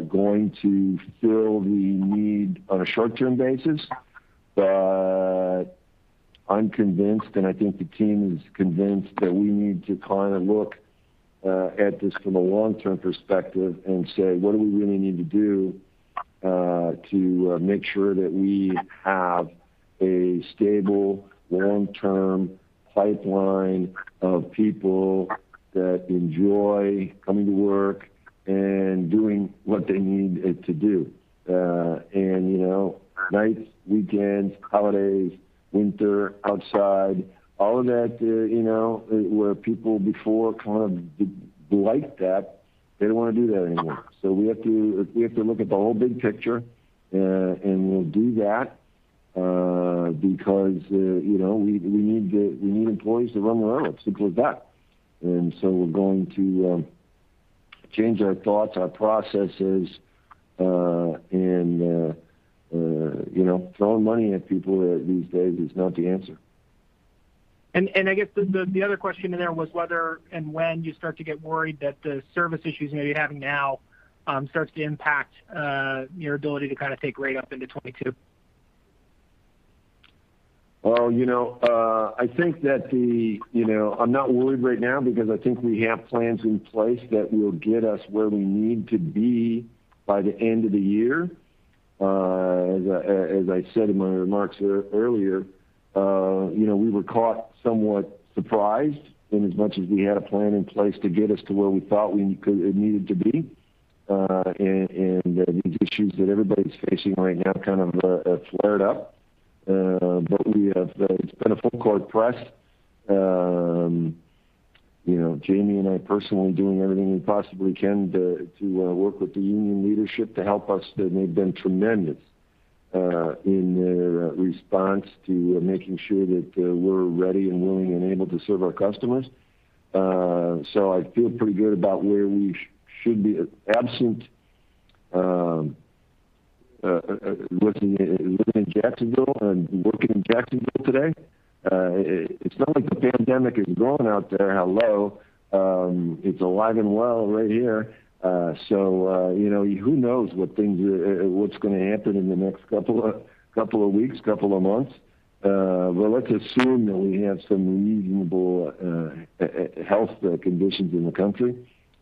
going to fill the need on a short-term basis. I'm convinced, and I think the team is convinced, that we need to look at this from a long-term perspective and say, "What do we really need to do to make sure that we have a stable long-term pipeline of people that enjoy coming to work and doing what they need to do. Nights, weekends, holidays, winter, outside, all of that, where people before kind of liked that, they don't want to do that anymore. We have to look at the whole big picture, and we'll do that because we need employees to run the railroad, simple as that. We're going to change our thoughts, our processes, and throwing money at people these days is not the answer. I guess the other question in there was whether and when you start to get worried that the service issues you may be having now starts to impact your ability to kind of take rate up into 2022? I think that I'm not worried right now because I think we have plans in place that will get us where we need to be by the end of the year. As I said in my remarks earlier, we were caught somewhat surprised in as much as we had a plan in place to get us to where we thought it needed to be, and these issues that everybody's facing right now kind of flared up. It's been a full court press. Jamie and I personally are doing everything we possibly can to work with the union leadership to help us. They've been tremendous in their response to making sure that we're ready and willing and able to serve our customers. I feel pretty good about where we should be absent living in Jacksonville and working in Jacksonville today. It's not like the pandemic is gone out there. Hello. It's alive and well right here. Who knows what's going to happen in the next two weeks, two months. Let's assume that we have some reasonable health conditions in the country.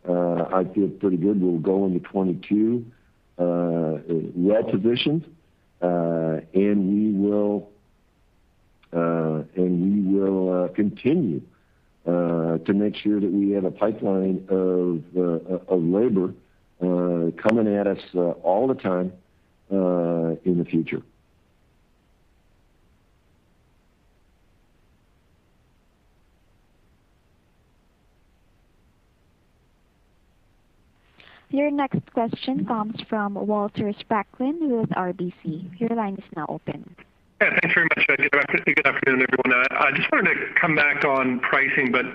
I feel pretty good we'll go into 2022 well-positioned, and we will continue to make sure that we have a pipeline of labor coming at us all the time in the future. Your next question comes from Walter Spracklin with RBC. Your line is now open. Yeah, thanks very much. Good afternoon, everyone. I just wanted to come back on pricing, but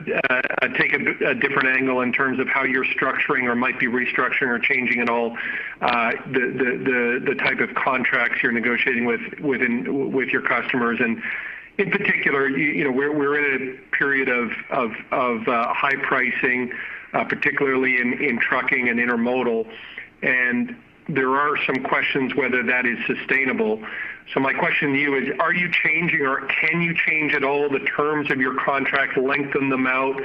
take a different angle in terms of how you're structuring or might be restructuring or changing at all the type of contracts you're negotiating with your customers. In particular, we're in a period of high pricing, particularly in trucking and intermodal, and there are some questions whether that is sustainable. My question to you is, are you changing or can you change at all the terms of your contracts, lengthen them out,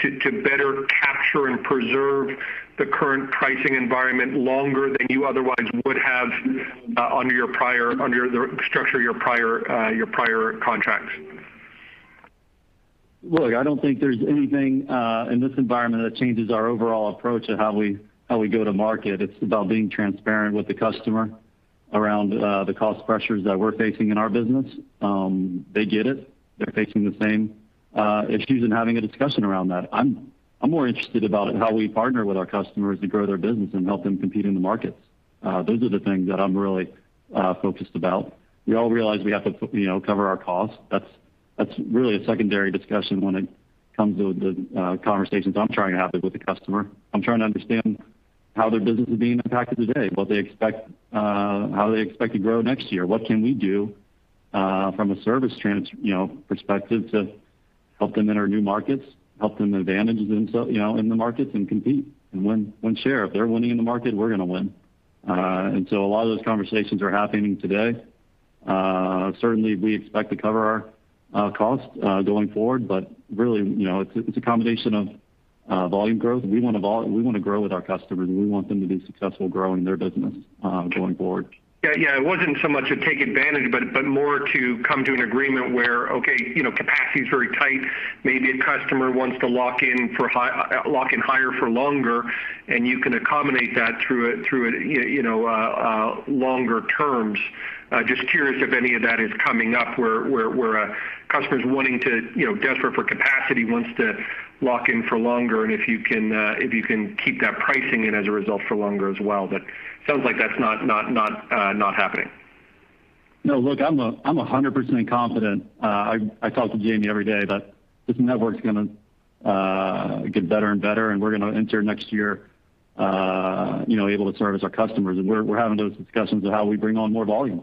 to better capture and preserve the current pricing environment longer than you otherwise would have under the structure of your prior contracts? Look, I don't think there's anything in this environment that changes our overall approach to how we go to market. It's about being transparent with the customer around the cost pressures that we're facing in our business. They get it. They're facing the same issues and having a discussion around that. I'm more interested about how we partner with our customers to grow their business and help them compete in the markets. Those are the things that I'm really focused about. We all realize we have to cover our costs. That's really a secondary discussion when it comes to the conversations I'm trying to have with the customer. I'm trying to understand how their business is being impacted today, how they expect to grow next year. What can we do from a service perspective to help them enter new markets, help them advantage in the markets and compete and win share? If they're winning in the market, we're going to win. A lot of those conversations are happening today. Certainly, we expect to cover our costs going forward, but really, it's a combination of volume growth. We want to grow with our customers, and we want them to be successful growing their business going forward. Yeah. It wasn't so much to take advantage, but more to come to an agreement where, okay, capacity's very tight. Maybe a customer wants to lock in higher for longer, and you can accommodate that through longer terms. Just curious if any of that is coming up where a customer's desperate for capacity, wants to lock in for longer, and if you can keep that pricing in as a result for longer as well. Sounds like that's not happening. No, look, I'm 100% confident. I talk to Jamie Boychuk every day, this network's going to get better and better, we're going to enter next year able to service our customers. We're having those discussions of how we bring on more volume.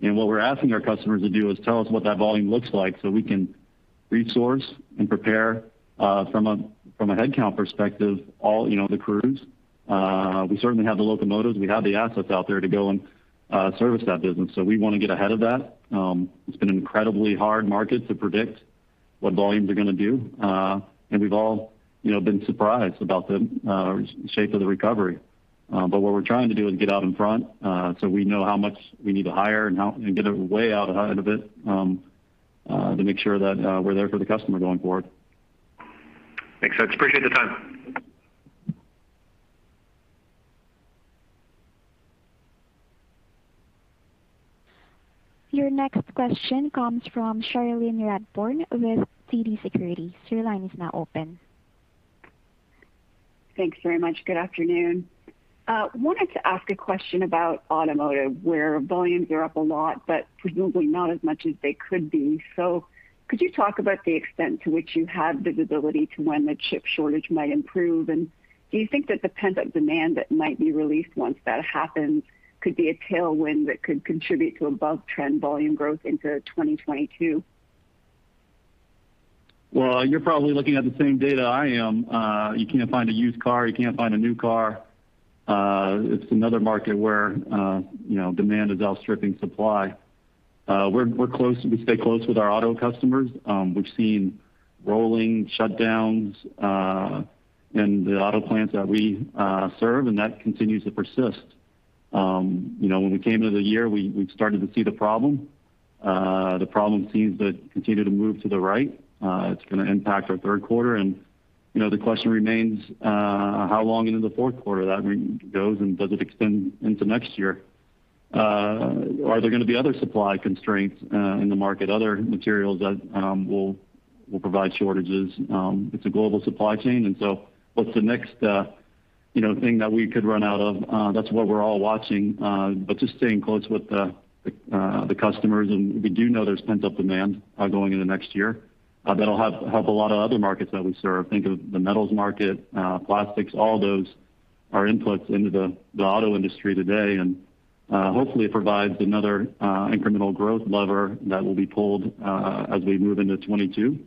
What we're asking our customers to do is tell us what that volume looks like so we can resource and prepare, from a headcount perspective, all the crews. We certainly have the locomotives. We have the assets out there to go and service that business. We want to get ahead of that. It's been an incredibly hard market to predict. What volumes are going to do. We've all been surprised about the shape of the recovery. What we're trying to do is get out in front, so we know how much we need to hire and get way out ahead of it, to make sure that we're there for the customer going forward. Thanks, folks. Appreciate the time. Your next question comes from Cherilyn Radbourne with TD Securities. Your line is now open. Thanks very much. Good afternoon. Wanted to ask a question about automotive, where volumes are up a lot, but presumably not as much as they could be. Could you talk about the extent to which you have visibility to when the chip shortage might improve? Do you think that the pent-up demand that might be released once that happens could be a tailwind that could contribute to above-trend volume growth into 2022? Well, you're probably looking at the same data I am. You can't find a used car. You can't find a new car. It's another market where demand is outstripping supply. We stay close with our auto customers. We've seen rolling shutdowns in the auto plants that we serve, and that continues to persist. When we came into the year, we started to see the problem. The problem seems to continue to move to the right. It's going to impact our third quarter, and the question remains, how long into the fourth quarter that goes, and does it extend into next year? Are there going to be other supply constraints in the market, other materials that will provide shortages? It's a global supply chain. What's the next thing that we could run out of? That's what we're all watching. Just staying close with the customers, and we do know there's pent-up demand going into next year. That'll help a lot of other markets that we serve. Think of the metals market, plastics, all those are inputs into the auto industry today, and hopefully it provides another incremental growth lever that will be pulled as we move into 2022.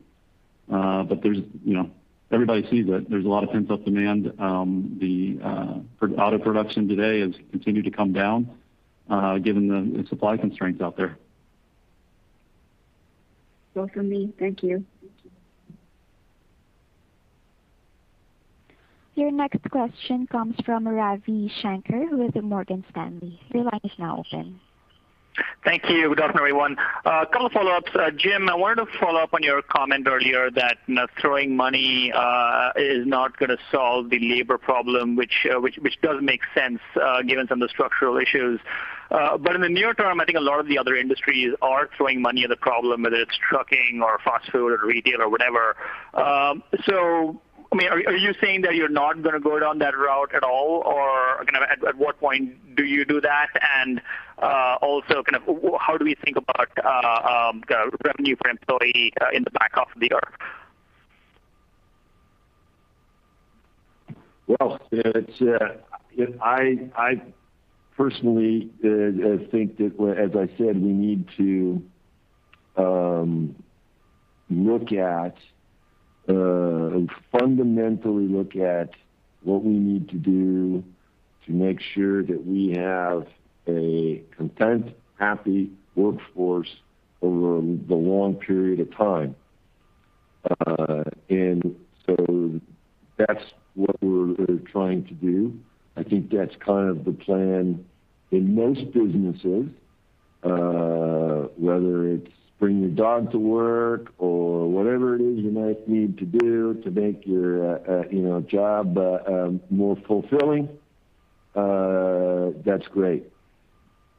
Everybody sees it. There's a lot of pent-up demand. The auto production today has continued to come down, given the supply constraints out there. That's all for me. Thank you. Your next question comes from Ravi Shanker with Morgan Stanley. Your line is now open. Thank you. Good afternoon, everyone. Two follow-ups. Jim, I wanted to follow up on your comment earlier that throwing money is not going to solve the labor problem, which does make sense given some of the structural issues. In the near term, I think a lot of the other industries are throwing money at the problem, whether it's trucking or fast food or retail or whatever. Are you saying that you're not going to go down that route at all, or at what point do you do that? Also, how do we think about revenue per employee in the back half of the year? Well, I personally think that, as I said, we need to fundamentally look at what we need to do to make sure that we have a content, happy workforce over the long period of time. That's what we're trying to do. I think that's kind of the plan in most businesses. Whether it's bring your dog to work or whatever it is you might need to do to make your job more fulfilling, that's great.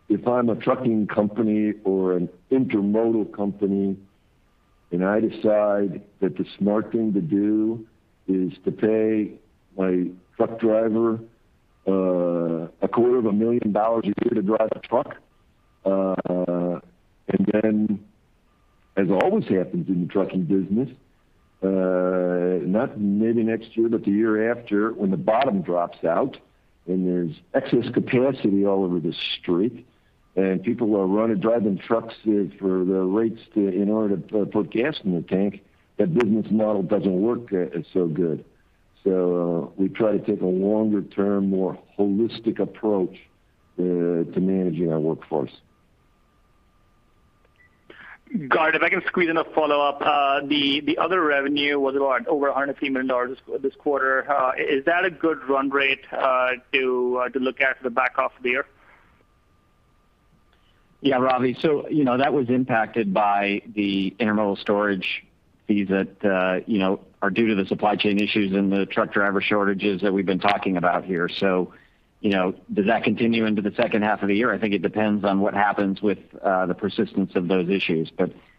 If I'm a trucking company or an intermodal company, and I decide that the smart thing to do is to pay my truck driver a quarter of a million dollars a year to drive a truck, and then as always happens in the trucking business, not maybe next year, but the year after when the bottom drops out and there's excess capacity all over the street and people are driving trucks for the rates in order to put gas in the tank, that business model doesn't work so good. We try to take a longer-term, more holistic approach to managing our workforce. Good, if I can squeeze in a follow-up. The other revenue was what? Over $150 million this quarter. Is that a good run rate to look at for the back half of the year? Yeah, Ravi. That was impacted by the intermodal storage fees that are due to the supply chain issues and the truck driver shortages that we've been talking about here. Does that continue into the second half of the year? I think it depends on what happens with the persistence of those issues.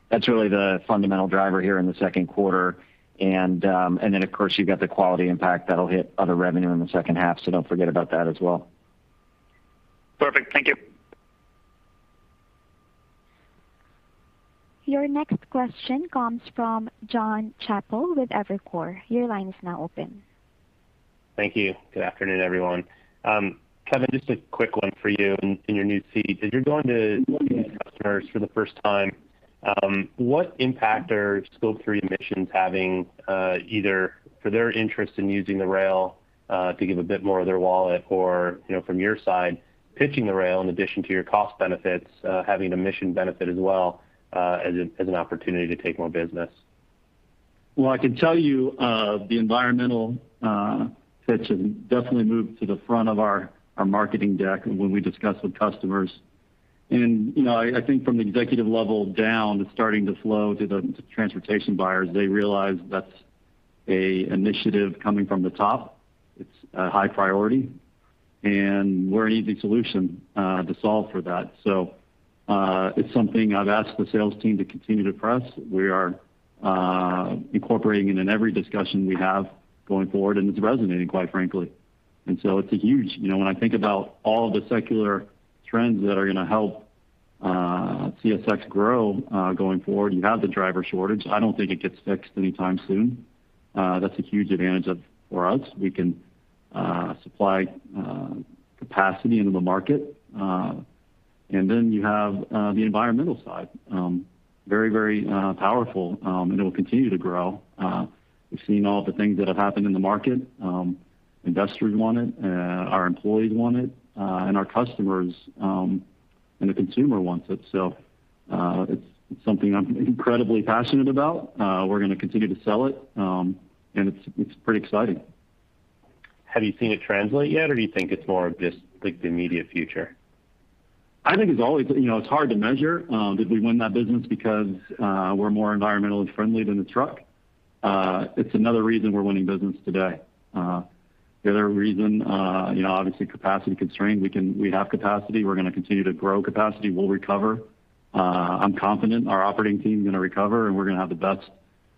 That's really the fundamental driver here in the second quarter. Of course, you've got the Quality impact that'll hit other revenue in the second half. Don't forget about that as well. Perfect. Thank you. Your next question comes from Jonathan Chappell with Evercore. Your line is now open. Thank you. Good afternoon, everyone. Kevin, just a quick one for you in your new seat. As you're going to new customers for the first time, what impact are Scope 3 emissions having, either for their interest in using the rail to give a bit more of their wallet or, from your side, pitching the rail in addition to your cost benefits, having emission benefit as well as an opportunity to take more business? Well, I can tell you the environmental pitch has definitely moved to the front of our marketing deck when we discuss with customers. I think from the executive level down, it's starting to flow to the transportation buyers. They realize that's an initiative coming from the top. It's a high priority, we're a easy solution to solve for that. It's something I've asked the sales team to continue to press. We are incorporating it in every discussion we have going forward, it's resonating, quite frankly. It's huge. When I think about all of the secular trends that are going to help CSX grow going forward, you have the driver shortage. I don't think it gets fixed anytime soon. That's a huge advantage for us. We can supply capacity into the market. You have the environmental side. Very powerful, it will continue to grow. We've seen all the things that have happened in the market. Investors want it, our employees want it, our customers, and the consumer wants it. It's something I'm incredibly passionate about. We're going to continue to sell it, and it's pretty exciting. Have you seen it translate yet, or do you think it's more of just the immediate future? I think it's hard to measure. Did we win that business because we're more environmentally friendly than the truck? It's another reason we're winning business today. The other reason, obviously capacity constraint. We have capacity. We're going to continue to grow capacity. We'll recover. I'm confident our operating team's going to recover, and we're going to have the best,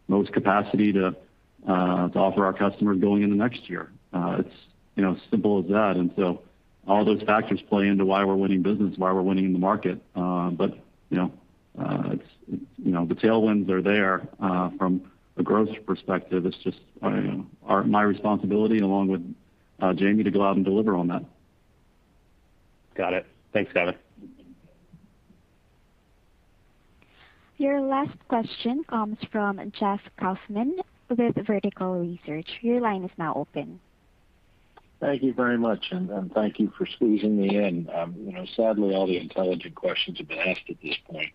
most capacity to offer our customers going into next year. It's as simple as that. All those factors play into why we're winning business, why we're winning in the market. The tailwinds are there from a growth perspective. It's just my responsibility, along with Jamie, to go out and deliver on that. Got it. Thanks, Kevin. Your last question comes from Jeff Kauffman with Vertical Research. Your line is now open. Thank you very much, and thank you for squeezing me in. Sadly, all the intelligent questions have been asked at this point.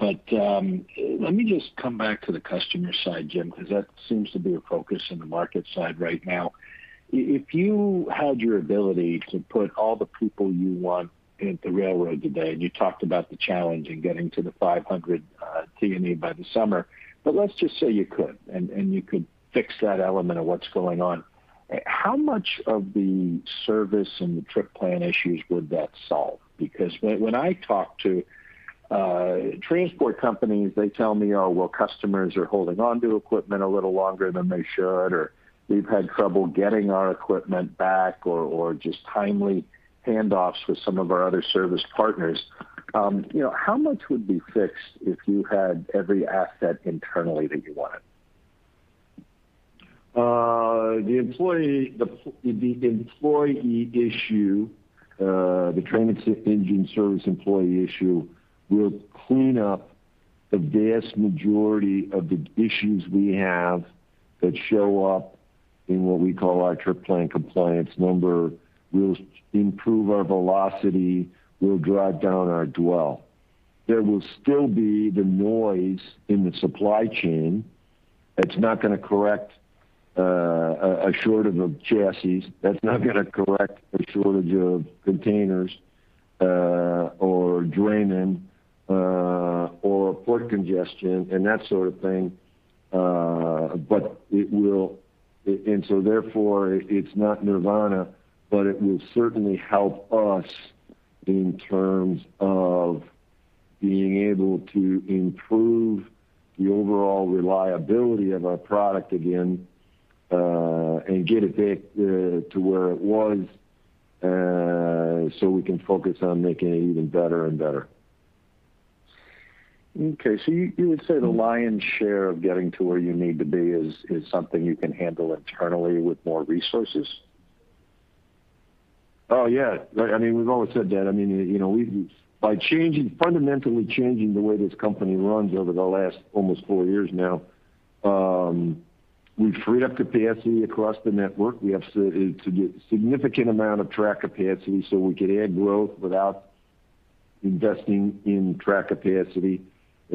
Let me just come back to the customer side, Jim, because that seems to be a focus in the market side right now. If you had your ability to put all the people you want into the railroad today, and you talked about the challenge in getting to the 500 T&E by the summer, but let's just say you could, and you could fix that element of what's going on, how much of the service and the trip plan issues would that solve? When I talk to transport companies, they tell me, "Oh, well, customers are holding onto equipment a little longer than they should," or, "We've had trouble getting our equipment back or just timely handoffs with some of our other service partners." How much would be fixed if you had every asset internally that you wanted? The employee issue, the T&E service employee issue, will clean up the vast majority of the issues we have that show up in what we call our trip plan compliance number, will improve our velocity, will drive down our dwell. There will still be the noise in the supply chain. It's not going to correct a shortage of chassis. That's not going to correct a shortage of containers or draymen or port congestion and that sort of thing. Therefore, it's not nirvana, but it will certainly help us in terms of being able to improve the overall reliability of our product again, and get it back to where it was so we can focus on making it even better and better. Okay. You would say the lion's share of getting to where you need to be is something you can handle internally with more resources? Oh, yeah. We've always said that. By fundamentally changing the way this company runs over the last almost four years now, we've freed up capacity across the network. We have significant amount of track capacity, we could add growth without investing in track capacity.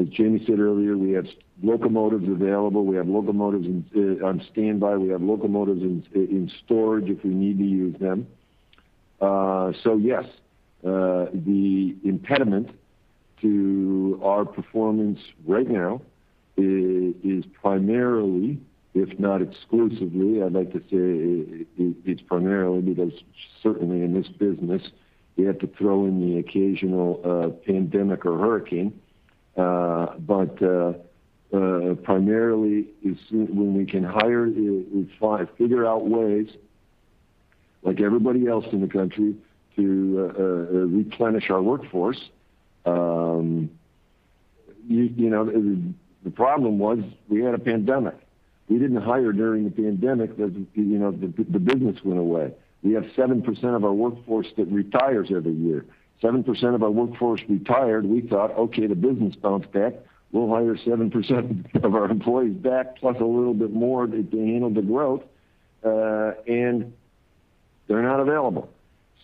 As Jamie Boychuk said earlier, we have locomotives available, we have locomotives on standby, we have locomotives in storage if we need to use them. Yes, the impediment to our performance right now is primarily, if not exclusively, I'd like to say it's primarily because certainly in this business, you have to throw in the occasional pandemic or hurricane. Primarily, it's when we can hire and figure out ways like everybody else in the country to replenish our workforce. The problem was we had a pandemic. We didn't hire during the pandemic because the business went away. We have 7% of our workforce that retires every year. 7% of our workforce retired, we thought, okay, the business bounced back. We'll hire 7% of our employees back, plus a little bit more to handle the growth, and they're not available.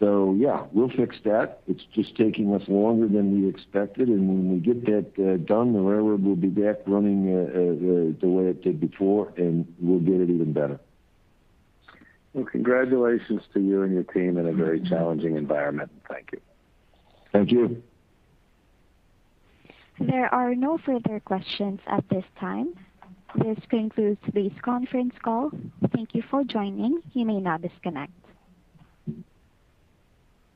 Yeah, we'll fix that. It's just taking us longer than we expected, and when we get that done, the railroad will be back running the way it did before, and we'll get it even better. Well, congratulations to you and your team in a very challenging environment. Thank you. Thank you. There are no further questions at this time. This concludes today's conference call. Thank you for joining. You may now disconnect.